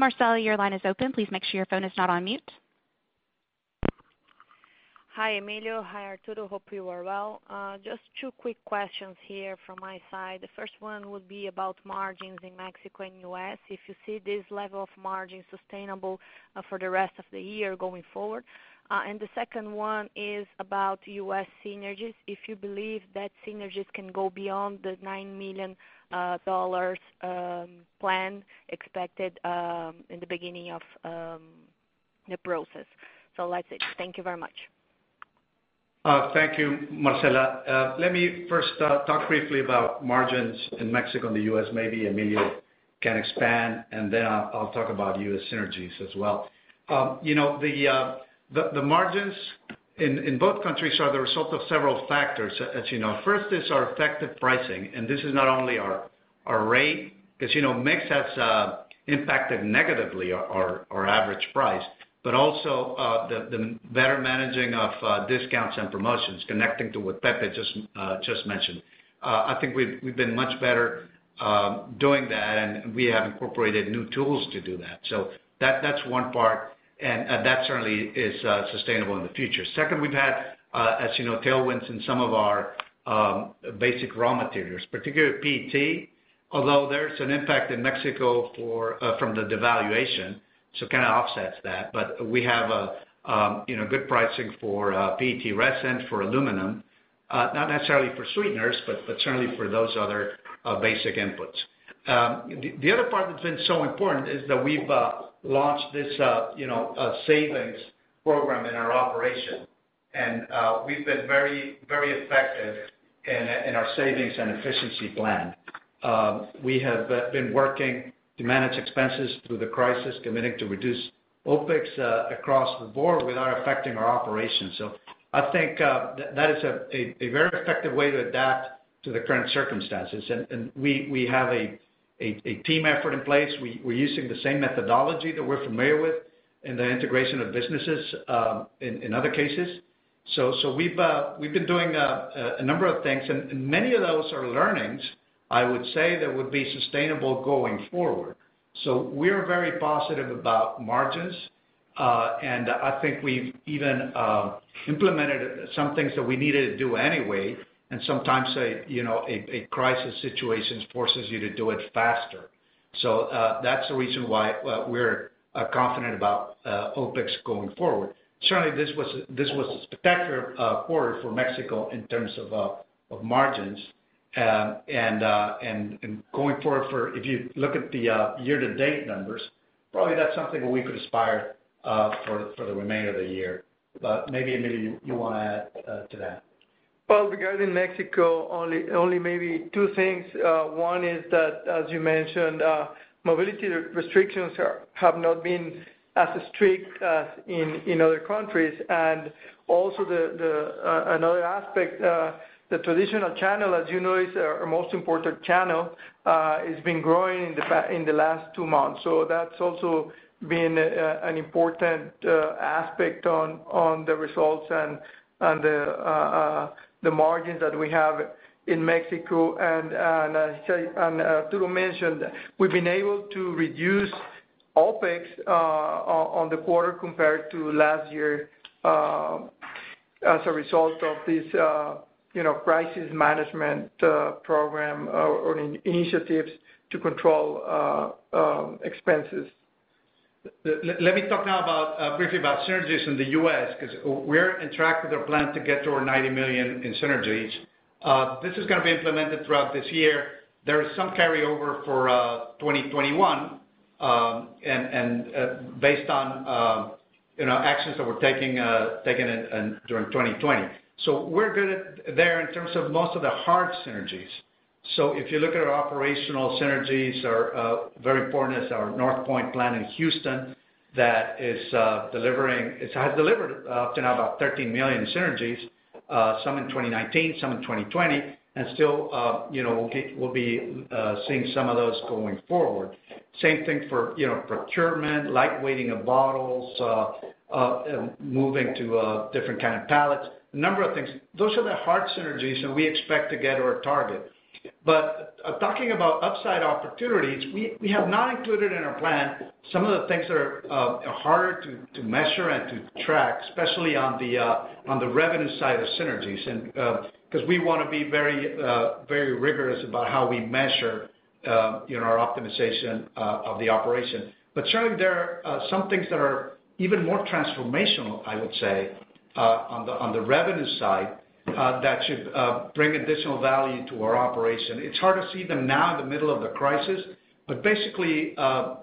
Marcella, your line is open. Please make sure your phone is not on mute. Hi, Emilio. Hi, Arturo. Hope you are well. Just two quick questions here from my side. The first one would be about margins in Mexico and U.S., if you see this level of margin sustainable for the rest of the year going forward. The second one is about U.S. synergies, if you believe that synergies can go beyond the $9 million plan expected in the beginning of the process. That's it. Thank you very much. Thank you, Marcella. Let me first talk briefly about margins in Mexico and the U.S. Maybe Emilio can expand, and then I'll talk about U.S. synergies as well. The margins in both countries are the result of several factors, as you know. First is our effective pricing, and this is not only our rate, because mix has impacted negatively our average price, but also the better managing of discounts and promotions, connecting to what Pepe just mentioned. I think we've been much better doing that, and we have incorporated new tools to do that. That's one part, and that certainly is sustainable in the future. Second, we've had, as you know, tailwinds in some of our basic raw materials, particularly PET, although there's an impact in Mexico from the devaluation, so it kind of offsets that. We have good pricing for PET resin, for aluminum. Not necessarily for sweeteners, but certainly for those other basic inputs. The other part that's been so important is that we've launched this savings program in our operation, and we've been very effective in our savings and efficiency plan. We have been working to manage expenses through the crisis, committing to reduce OpEx across the board without affecting our operations. I think that is a very effective way to adapt to the current circumstances. We have a team effort in place. We're using the same methodology that we're familiar with in the integration of businesses in other cases. We've been doing a number of things, and many of those are learnings, I would say, that would be sustainable going forward. We're very positive about margins, and I think we've even implemented some things that we needed to do anyway, and sometimes a crisis situation forces you to do it faster. That's the reason why we're confident about OpEx going forward. Certainly, this was a spectacular quarter for Mexico in terms of margins. Going forward, if you look at the year-to-date numbers, probably that's something we could aspire for the remainder of the year. Maybe, Emilio, you want to add to that? Well, regarding Mexico, only maybe two things. One is that, as you mentioned, mobility restrictions have not been as strict as in other countries. Also another aspect, the traditional channel, as you know, is our most important channel, it's been growing in the last two months. That's also been an important aspect on the results and the margins that we have in Mexico. As Arturo mentioned, we've been able to reduce OpEx on the quarter compared to last year. As a result of this crisis management program or initiatives to control expenses. Let me talk now briefly about synergies in the U.S., because we're on track with our plan to get to our $90 million in synergies. This is going to be implemented throughout this year. There is some carryover for 2021, based on actions that we're taking during 2020. We're good there in terms of most of the hard synergies. If you look at our operational synergies are very important is our Northpoint plant in Houston that has delivered up to now about $13 million in synergies, some in 2019, some in 2020, still, we'll be seeing some of those going forward. Same thing for procurement, lightweighting of bottles, moving to different kind of pallets, a number of things. Those are the hard synergies, we expect to get our target. Talking about upside opportunities, we have not included in our plan some of the things that are harder to measure and to track, especially on the revenue side of synergies, because we want to be very rigorous about how we measure our optimization of the operation. Certainly, there are some things that are even more transformational, I would say, on the revenue side, that should bring additional value to our operation. It's hard to see them now in the middle of the crisis, but basically,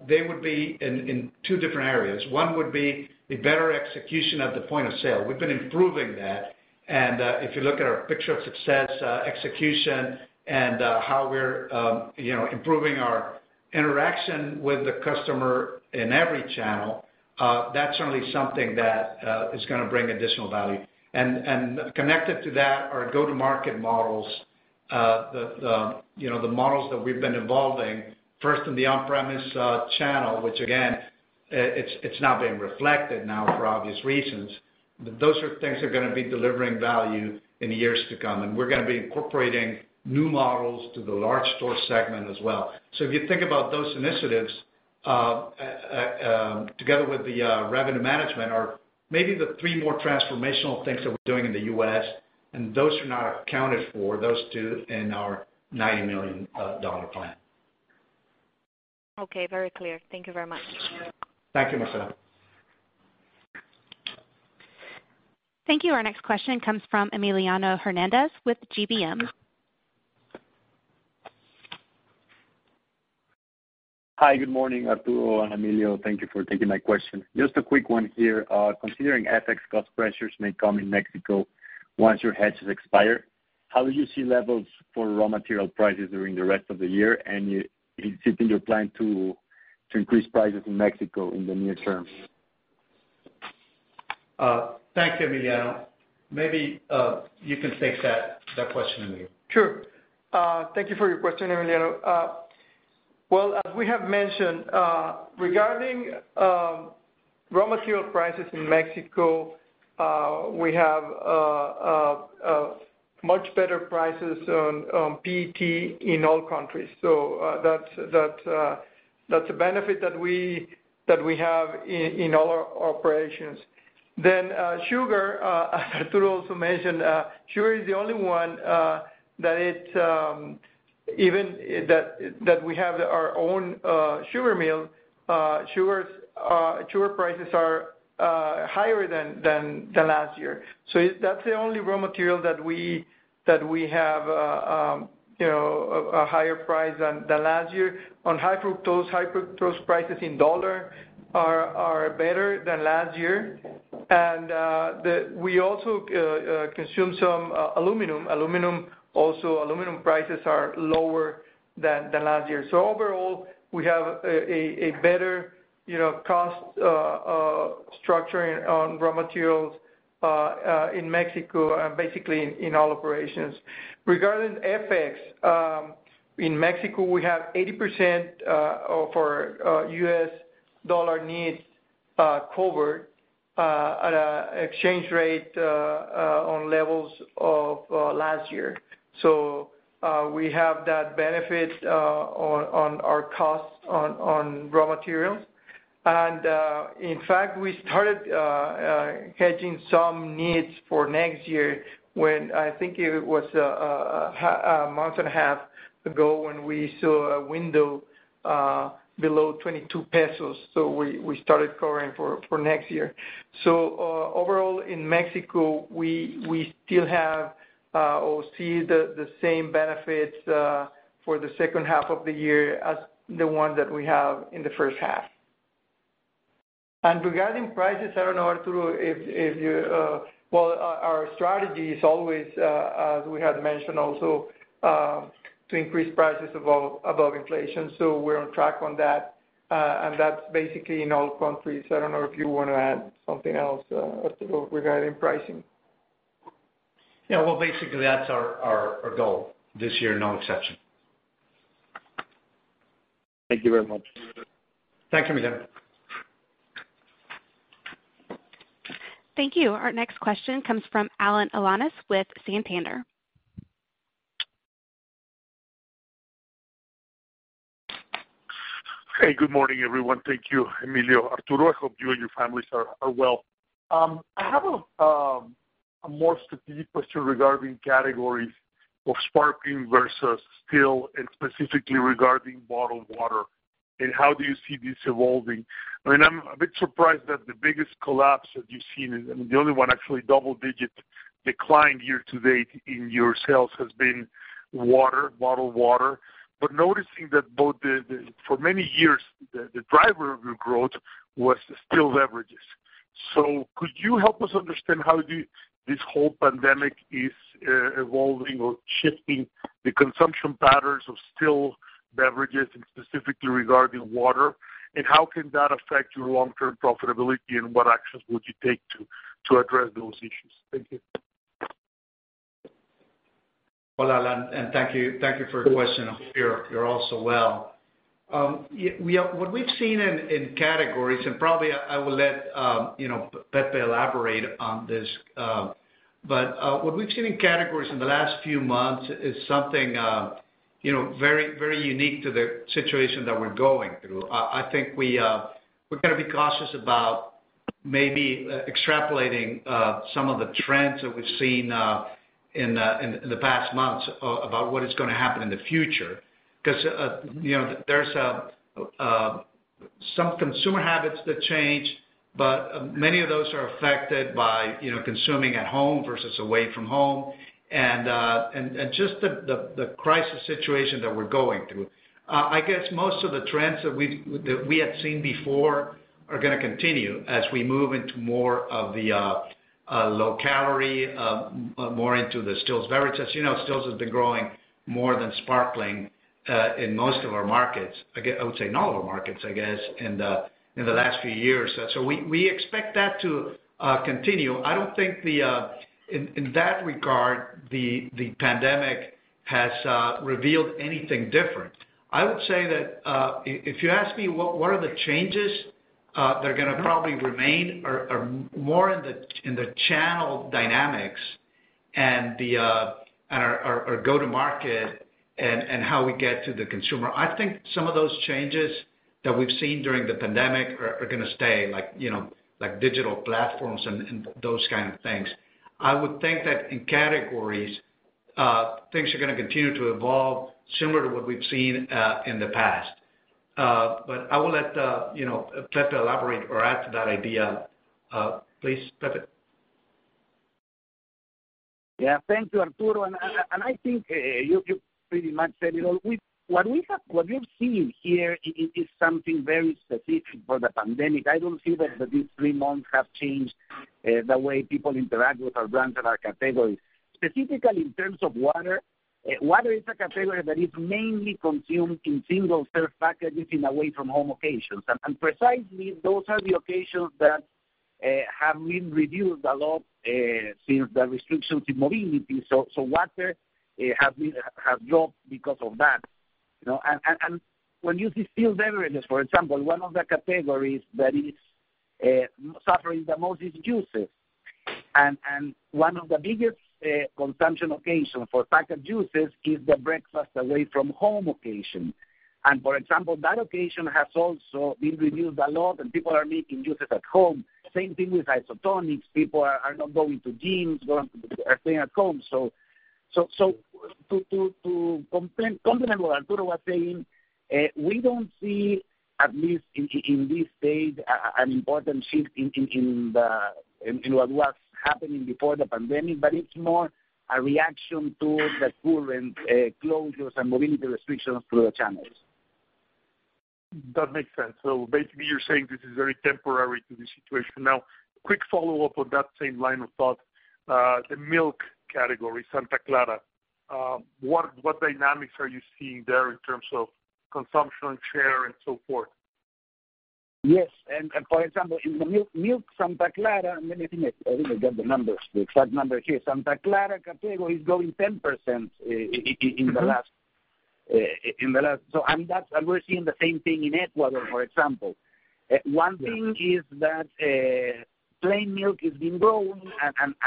they would be in two different areas. One would be the better execution at the point of sale. We've been improving that. If you look at our picture of success, execution and how we're improving our interaction with the customer in every channel, that's certainly something that is going to bring additional value. Connected to that, our go-to-market models, the models that we've been evolving, first in the on-premise channel, which again, it's now being reflected now for obvious reasons. Those are things that are going to be delivering value in the years to come, and we're going to be incorporating new models to the large store segment as well. If you think about those initiatives, together with the revenue management, are maybe the three more transformational things that we're doing in the U.S., and those are not accounted for, those two, in our MXN 90 million plan. Okay, very clear. Thank you very much. Thank you, Marcella. Thank you. Our next question comes from Emiliano Hernandez with GBM. Hi, good morning, Arturo and Emilio. Thank you for taking my question. Just a quick one here. Considering FX cost pressures may come in Mexico once your hedges expire, how do you see levels for raw material prices during the rest of the year? Is it in your plan to increase prices in Mexico in the near term? Thanks, Emiliano. Maybe you can take that question, Emilio. Sure. Thank you for your question, Emiliano. Well, as we have mentioned, regarding raw material prices in Mexico, we have much better prices on PET in all countries. That's a benefit that we have in all our operations. Sugar, Arturo also mentioned, sugar is the only one that we have our own sugar mill. Sugar prices are higher than last year. That's the only raw material that we have a higher price than last year. On high fructose, high fructose prices in USD are better than last year. We also consume some aluminum. Aluminum prices are lower than last year. Overall, we have a better cost structure on raw materials in Mexico and basically in all operations. Regarding FX, in Mexico, we have 80% of our US dollar needs covered at an exchange rate on levels of last year. We have that benefit on our costs on raw materials. In fact, we started hedging some needs for next year when I think it was 1.5 month ago when we saw a window below 22 pesos, so we started covering for next year. Overall, in Mexico, we still have or see the same benefits for the second half of the year as the one that we have in the first half. Regarding prices, I don't know, Arturo. Well, our strategy is always, as we had mentioned also, to increase prices above inflation. We're on track on that, and that's basically in all countries. I don't know if you want to add something else, Arturo, regarding pricing. Yeah. Well, basically that's our goal this year, no exception. Thank you very much. Thanks, Emiliano. Thank you. Our next question comes from Alan Alanis with Santander. Hey, good morning, everyone. Thank you, Emilio. Arturo, I hope you and your families are well. I have a more strategic question regarding categories of sparkling versus still, specifically regarding bottled water, how do you see this evolving? I'm a bit surprised that the biggest collapse that you've seen, the only one actually double-digit decline year to date in your sales has been bottled water. Noticing that for many years, the driver of your growth was the still beverages. Could you help us understand how this whole pandemic is evolving or shifting the consumption patterns of still beverages, specifically regarding water, how can that affect your long-term profitability, what actions would you take to address those issues? Thank you. Hola, Alan, thank you for your question. I hope you're also well. What we've seen in categories, probably I will let Pepe elaborate on this, what we've seen in categories in the last few months is something very unique to the situation that we're going through. I think we've got to be cautious about maybe extrapolating some of the trends that we've seen in the past months about what is going to happen in the future. There's some consumer habits that change, many of those are affected by consuming at home versus away from home, just the crisis situation that we're going through. I guess most of the trends that we had seen before are going to continue as we move into more of the low calorie, more into the still beverages. Stills has been growing more than sparkling in most of our markets. I would say in all of our markets, I guess, in the last few years. We expect that to continue. I don't think, in that regard, the pandemic has revealed anything different. I would say that, if you ask me what are the changes that are going to probably remain are more in the channel dynamics and our go-to market, and how we get to the consumer. I think some of those changes that we've seen during the pandemic are going to stay, like digital platforms and those kind of things. I would think that in categories, things are going to continue to evolve similar to what we've seen in the past. I will let Pepe elaborate or add to that idea. Please, Pepe. Yeah. Thank you, Arturo, and I think you pretty much said it all. What we've seen here is something very strategic for the pandemic. I don't see that these three months have changed the way people interact with our brands and our categories. Specifically in terms of water is a category that is mainly consumed in single-serve packages in away from home occasions. Precisely, those are the occasions that have been reduced a lot since the restrictions in mobility. Water has dropped because of that. When you see still beverages, for example, one of the categories that is suffering the most is juices. One of the biggest consumption occasion for packed juices is the breakfast away from home occasion. For example, that occasion has also been reduced a lot and people are making juices at home. Same thing with isotonics. People are not going to gyms, are staying at home. To complement what Arturo was saying, we don't see, at least in this stage, an important shift in what was happening before the pandemic, but it's more a reaction to the current closures and mobility restrictions through the channels. That makes sense. Basically, you're saying this is very temporary to the situation. Quick follow-up on that same line of thought. The milk category, Santa Clara, what dynamics are you seeing there in terms of consumption share and so forth? Yes. For example, in the milk, Santa Clara, let me think. I think I got the numbers, the exact numbers here. Santa Clara category is growing 10% in the last, and we're seeing the same thing in Ecuador, for example. One thing is that plain milk is being grown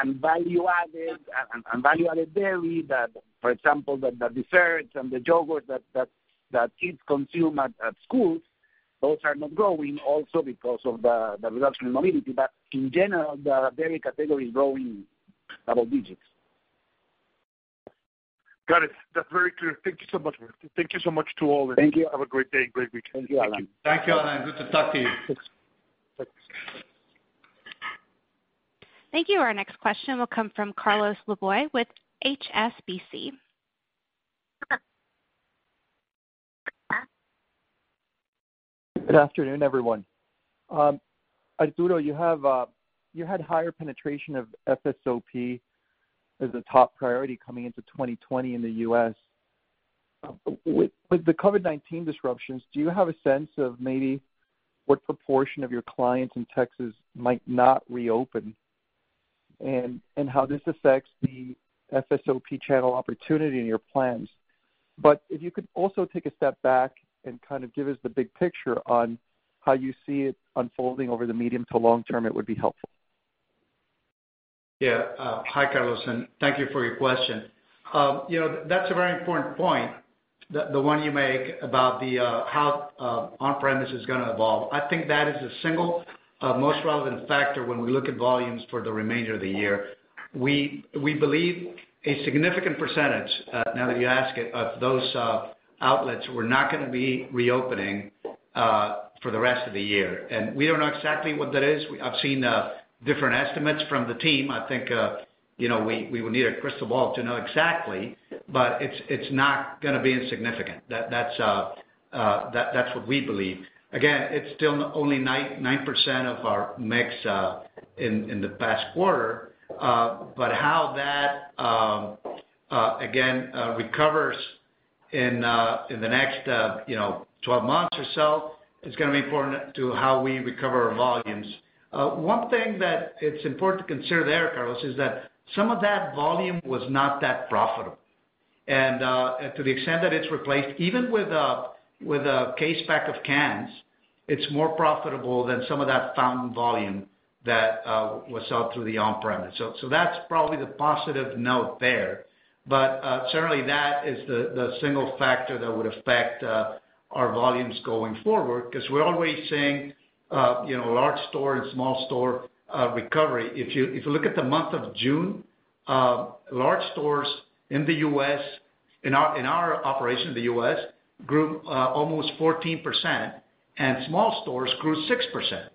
and value-added dairy, for example, the desserts and the yogurt that kids consume at school, those are not growing also because of the reduction in mobility. In general, the dairy category is growing double digits. Got it. That's very clear. Thank you so much. Thank you so much to all. Thank you. Have a great day. Great week. Thank you, Alan. Thank you, Alan, and good to talk to you. Thanks. Thanks. Thank you. Our next question will come from Carlos Laboy with HSBC. Good afternoon, everyone. Arturo, you had higher penetration of FSOP as a top priority coming into 2020 in the U.S. With the COVID-19 disruptions, do you have a sense of maybe what proportion of your clients in Texas might not reopen, and how this affects the FSOP channel opportunity in your plans? If you could also take a step back and kind of give us the big picture on how you see it unfolding over the medium to long term, it would be helpful. Yeah. Hi, Carlos, thank you for your question. That's a very important point, the one you make about how on-premise is going to evolve. I think that is the single most relevant factor when we look at volumes for the remainder of the year. We believe a significant percentage, now that you ask it, of those outlets were not going to be reopening for the rest of the year. We don't know exactly what that is. I've seen different estimates from the team. I think, we will need a crystal ball to know exactly, but it's not going to be insignificant. That's what we believe. Again, it's still only 9% of our mix in the past quarter. How that, again, recovers in the next 12 months or so, it's going to be important to how we recover our volumes. One thing that it's important to consider there, Carlos, is that some of that volume was not that profitable. To the extent that it's replaced, even with a case pack of cans, it's more profitable than some of that fountain volume that was sold through the on-premise. That's probably the positive note there. Certainly that is the single factor that would affect our volumes going forward, because we're always seeing large store and small store recovery. If you look at the month of June, large stores in our operation in the U.S. grew almost 14%, and small stores grew 6%.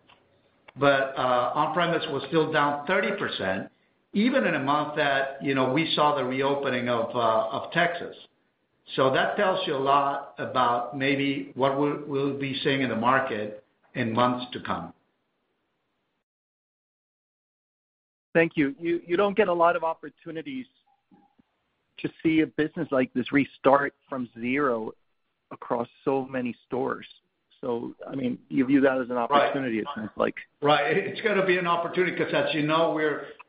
On-premise was still down 30%, even in a month that we saw the reopening of Texas. That tells you a lot about maybe what we'll be seeing in the market in months to come. Thank you. You don't get a lot of opportunities to see a business like this restart from zero across so many stores. You view that as an opportunity. Right it seems like. Right. It's going to be an opportunity because, as you know,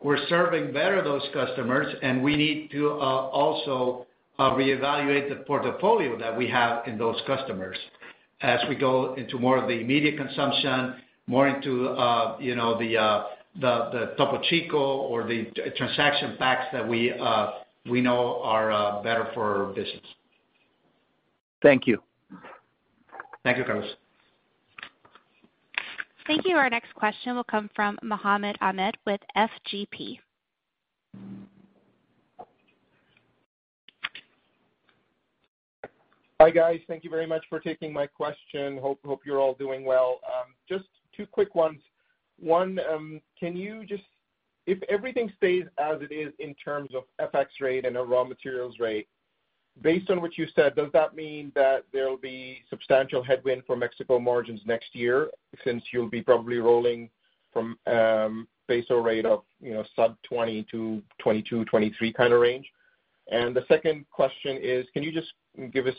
we're serving better those customers, and we need to also reevaluate the portfolio that we have in those customers as we go into more of the immediate consumption, more into the Topo Chico or the transaction packs that we know are better for our business. Thank you. Thank you, Carlos. Thank you. Our next question will come from Mohammed Ahmad with FGP. Hi, guys. Thank you very much for taking my question. Hope you're all doing well. Just two quick ones. One, if everything stays as it is in terms of FX rate and the raw materials rate, based on what you said, does that mean that there'll be substantial headwind for Mexico margins next year, since you'll be probably rolling from peso rate of sub-20 to 22, 23 kind of range? The second question is, can you just give us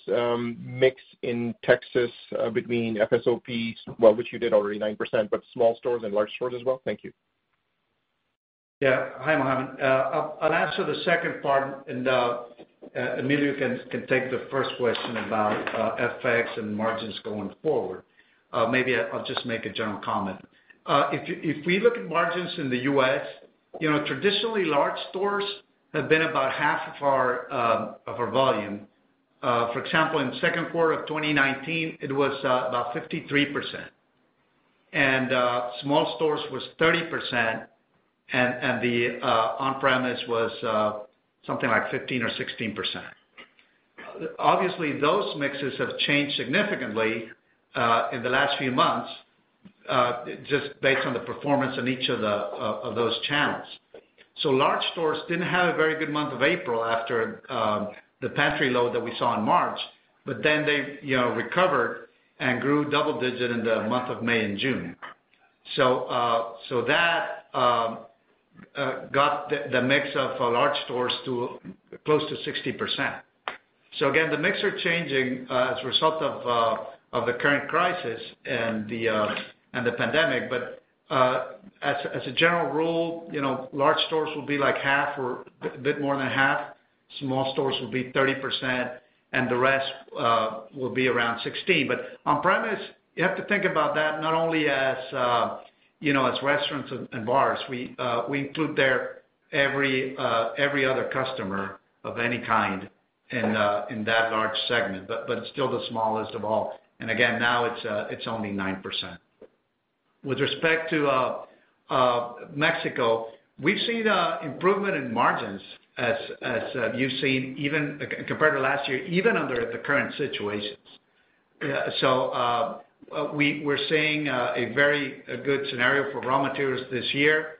mix in Texas between FSOP, well, which you did already, 9%, but small stores and large stores as well? Thank you. Hi, Mohammed. I'll answer the second part, and Emilio can take the first question about FX and margins going forward. Maybe I'll just make a general comment. If we look at margins in the U.S., traditionally, large stores have been about half of our volume. For example, in the second quarter of 2019, it was about 53%, and small stores was 30%, and the on-premise was something like 15% or 16%. Obviously, those mixes have changed significantly in the last few months, just based on the performance in each of those channels. Large stores didn't have a very good month of April after the pantry load that we saw in March, but then they recovered and grew double digit in the month of May and June. That got the mix of large stores to close to 60%. Again, the mix are changing as a result of the current crisis and the pandemic. As a general rule, large stores will be like half or a bit more than half. Small stores will be 30%, and the rest will be around 16%. On-premise, you have to think about that not only as restaurants and bars. We include there every other customer of any kind in that large segment, but it's still the smallest of all. Again, now it's only 9%. With respect to Mexico, we've seen improvement in margins, as you've seen, compared to last year, even under the current situations. We're seeing a very good scenario for raw materials this year,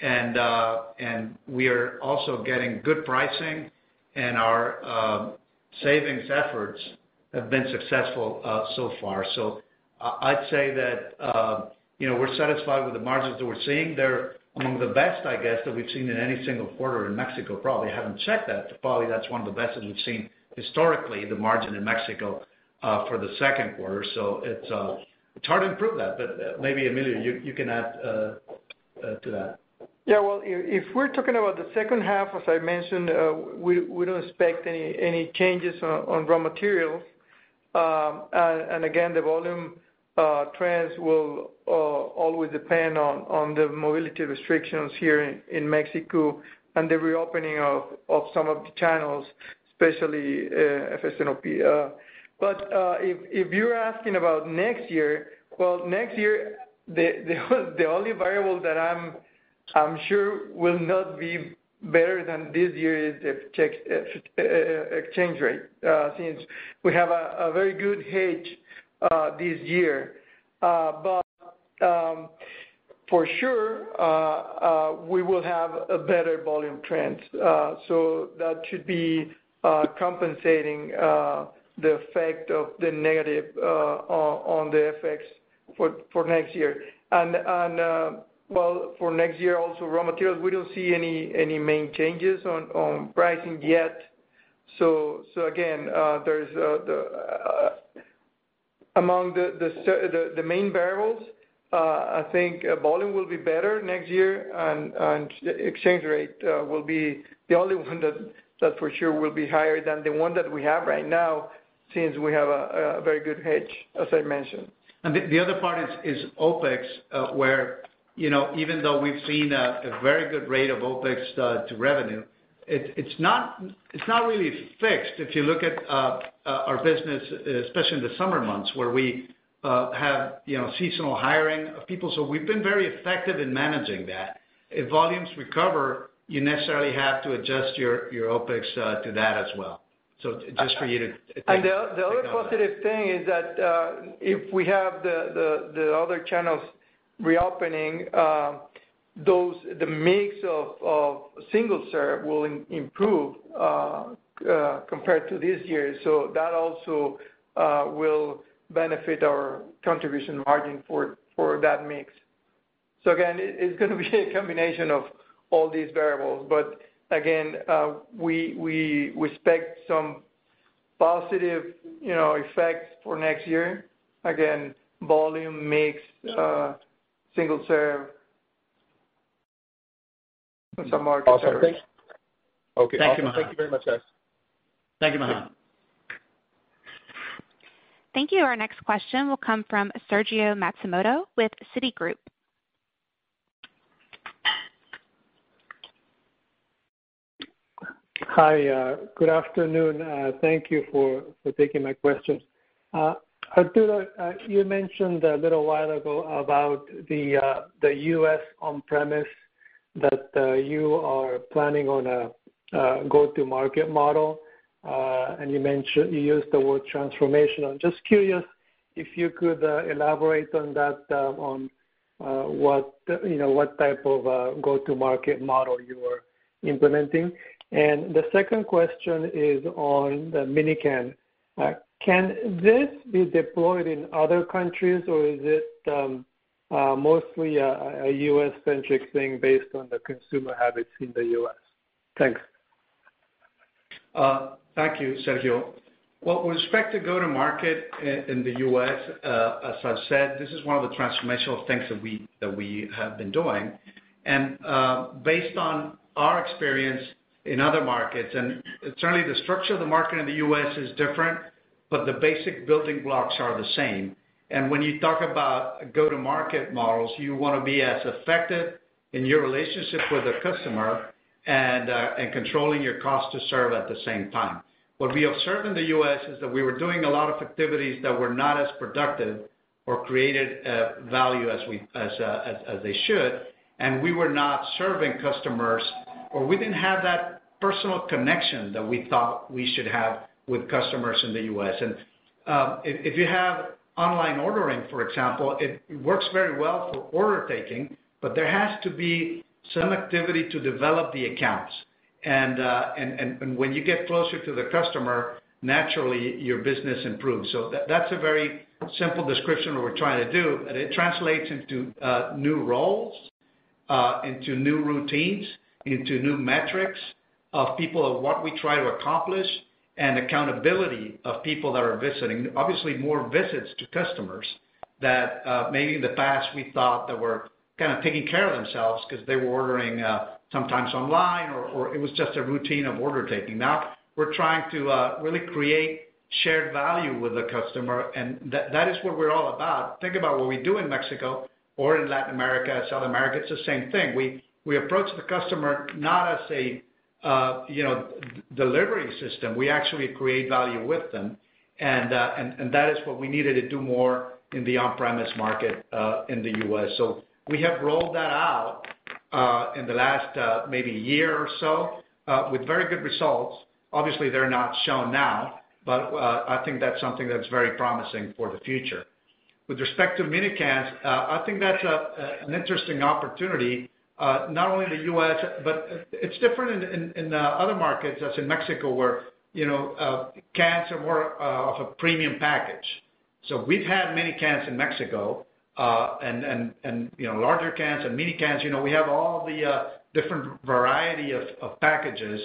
and we are also getting good pricing, and our savings efforts have been successful so far. I'd say that we're satisfied with the margins that we're seeing. They're among the best, I guess, that we've seen in any single quarter in Mexico, probably. Haven't checked that, probably that's one of the best that we've seen historically, the margin in Mexico, for the second quarter. It's hard to improve that. Maybe, Emilio, you can add to that. Yeah. Well, if we're talking about the second half, as I mentioned, we don't expect any changes on raw materials. Again, the volume trends will always depend on the mobility restrictions here in Mexico and the reopening of some of the channels, especially FSOP. If you're asking about next year, well, next year, the only variable that I'm sure will not be better than this year is the exchange rate, since we have a very good hedge this year. For sure, we will have a better volume trend. That should be compensating the effect of the negative on the FX for next year. Well, for next year, also raw materials, we don't see any main changes on pricing yet. Again, among the main variables, I think volume will be better next year, and exchange rate will be the only one that for sure will be higher than the one that we have right now, since we have a very good hedge, as I mentioned. The other part is OpEx, where even though we've seen a very good rate of OpEx to revenue, it's not really fixed. If you look at our business, especially in the summer months, where we have seasonal hiring of people. We've been very effective in managing that. If volumes recover, you necessarily have to adjust your OpEx to that as well. Just for you to think about that. The other positive thing is that, if we have the other channels reopening, the mix of single-serve will improve compared to this year. That also will benefit our contribution margin for that mix. Again, it's going to be a combination of all these variables. Again, we expect some positive effects for next year. Again, volume mix, single-serve, and some market shares. Awesome. Thank you. Okay. Thank you very much, guys. Thank you, Mohammed. Thank you. Our next question will come from Sergio Matsumoto with Citigroup. Hi, good afternoon. Thank you for taking my questions. Arturo, you mentioned a little while ago about the U.S. on-premise that you are planning on a go-to-market model, and you used the word transformational. Just curious if you could elaborate on that, on what type of go-to-market model you are implementing. The second question is on the mini-can. Can this be deployed in other countries, or is it mostly a U.S.-centric thing based on the consumer habits in the U.S.? Thanks. Thank you, Sergio. Well, with respect to go to market in the U.S., as I've said, this is one of the transformational things that we have been doing. Based on our experience in other markets, certainly the structure of the market in the U.S. is different, but the basic building blocks are the same. When you talk about go-to-market models, you want to be as effective in your relationship with the customer and controlling your cost to serve at the same time. What we observed in the U.S. is that we were doing a lot of activities that were not as productive or created value as they should, and we were not serving customers, or we didn't have that personal connection that we thought we should have with customers in the U.S. If you have online ordering, for example, it works very well for order-taking, but there has to be some activity to develop the accounts. When you get closer to the customer, naturally your business improves. That's a very simple description of what we're trying to do. It translates into new roles, into new routines, into new metrics of people of what we try to accomplish and accountability of people that are visiting. Obviously, more visits to customers that maybe in the past we thought that were kind of taking care of themselves because they were ordering sometimes online or it was just a routine of order-taking. Now we're trying to really create shared value with the customer, and that is what we're all about. Think about what we do in Mexico or in Latin America, South America. It's the same thing. We approach the customer not as a delivery system. We actually create value with them. That is what we needed to do more in the on-premise market in the U.S. We have rolled that out in the last maybe year or so with very good results. Obviously, they're not shown now. I think that's something that's very promising for the future. With respect to mini-cans, I think that's an interesting opportunity, not only in the U.S. It's different in the other markets, as in Mexico, where cans are more of a premium package. We've had mini-cans in Mexico, and larger cans and mini-cans. We have all the different variety of packages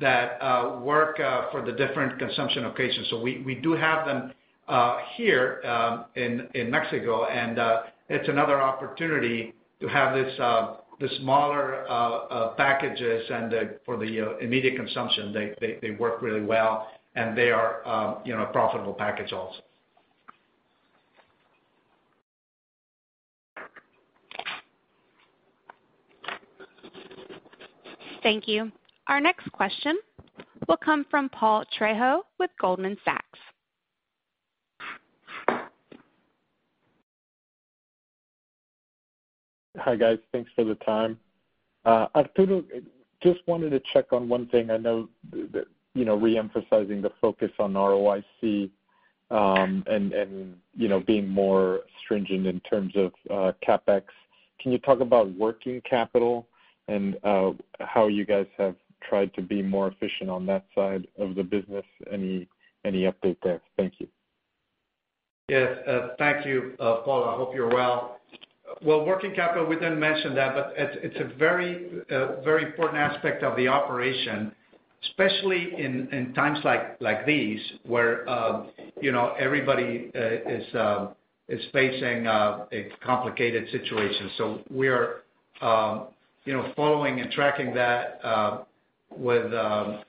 that work for the different consumption occasions. We do have them here in Mexico, and it's another opportunity to have the smaller packages and for the immediate consumption. They work really well, and they are a profitable package also. Thank you. Our next question will come from Paul Trejo with Goldman Sachs. Hi, guys. Thanks for the time. Arturo, just wanted to check on one thing. I know, re-emphasizing the focus on ROIC, and being more stringent in terms of CapEx. Can you talk about working capital and how you guys have tried to be more efficient on that side of the business? Any update there? Thank you. Yes. Thank you, Paul. I hope you're well. Working capital, we didn't mention that, but it's a very important aspect of the operation, especially in times like these, where everybody is facing a complicated situation. We are following and tracking that very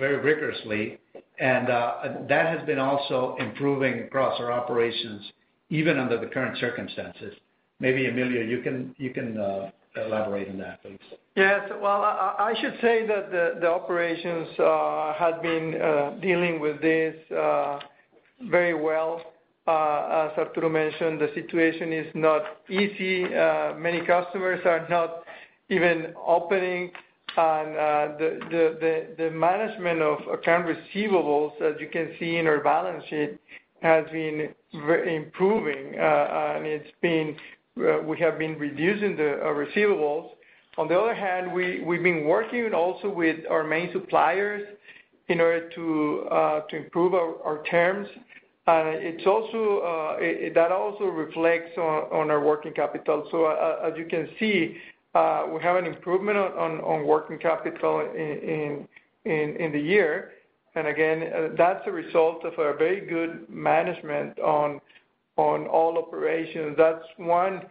rigorously. That has been also improving across our operations, even under the current circumstances. Maybe Emilio, you can elaborate on that, please. Yes. Well, I should say that the operations have been dealing with this very well. As Arturo mentioned, the situation is not easy. Many customers are not even opening, and the management of accounts receivable, as you can see in our balance sheet, has been improving. We have been reducing the receivables. On the other hand, we've been working also with our main suppliers in order to improve our terms. That also reflects on our working capital. As you can see, we have an improvement on working capital in the year. Again, that's a result of our very good management on all operations. That's one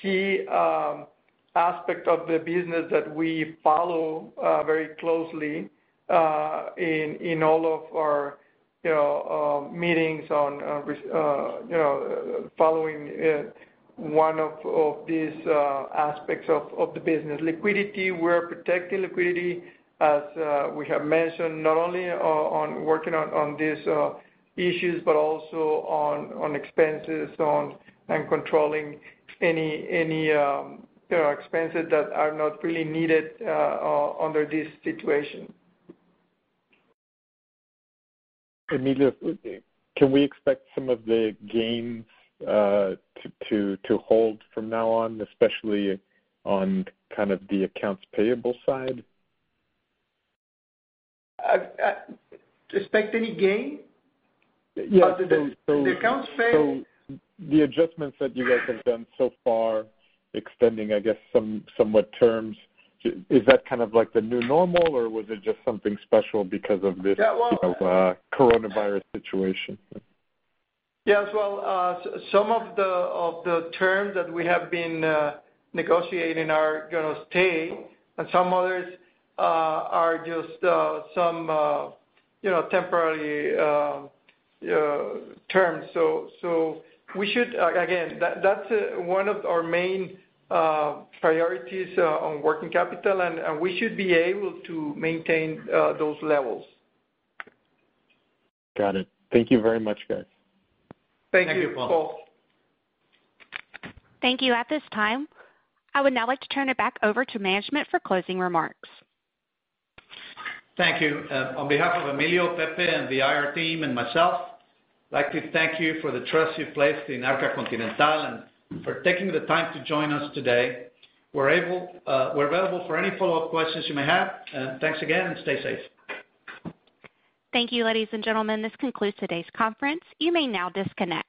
key aspect of the business that we follow very closely, in all of our meetings on following one of these aspects of the business. Liquidity, we're protecting liquidity, as we have mentioned, not only on working on these issues, but also on expenses, and controlling any expenses that are not really needed under this situation. Emilio, can we expect some of the gains to hold from now on, especially on kind of the accounts payable side? Expect any gain? Yes. The accounts pay- The adjustments that you guys have done so far, extending, I guess, somewhat terms, is that kind of like the new normal, or was it just something special because of this? Yeah, well- Coronavirus situation? Yes. Well, some of the terms that we have been negotiating are going to stay, and some others are just some temporary terms. We should, again, that's one of our main priorities on working capital, and we should be able to maintain those levels. Got it. Thank you very much, guys. Thank you, Paul. Thank you, Paul. Thank you. At this time, I would now like to turn it back over to management for closing remarks. Thank you. On behalf of Emilio, Pepe, and the IR team, and myself, I'd like to thank you for the trust you've placed in Arca Continental and for taking the time to join us today. We're available for any follow-up questions you may have. Thanks again, and stay safe. Thank you, ladies and gentlemen. This concludes today's conference. You may now disconnect.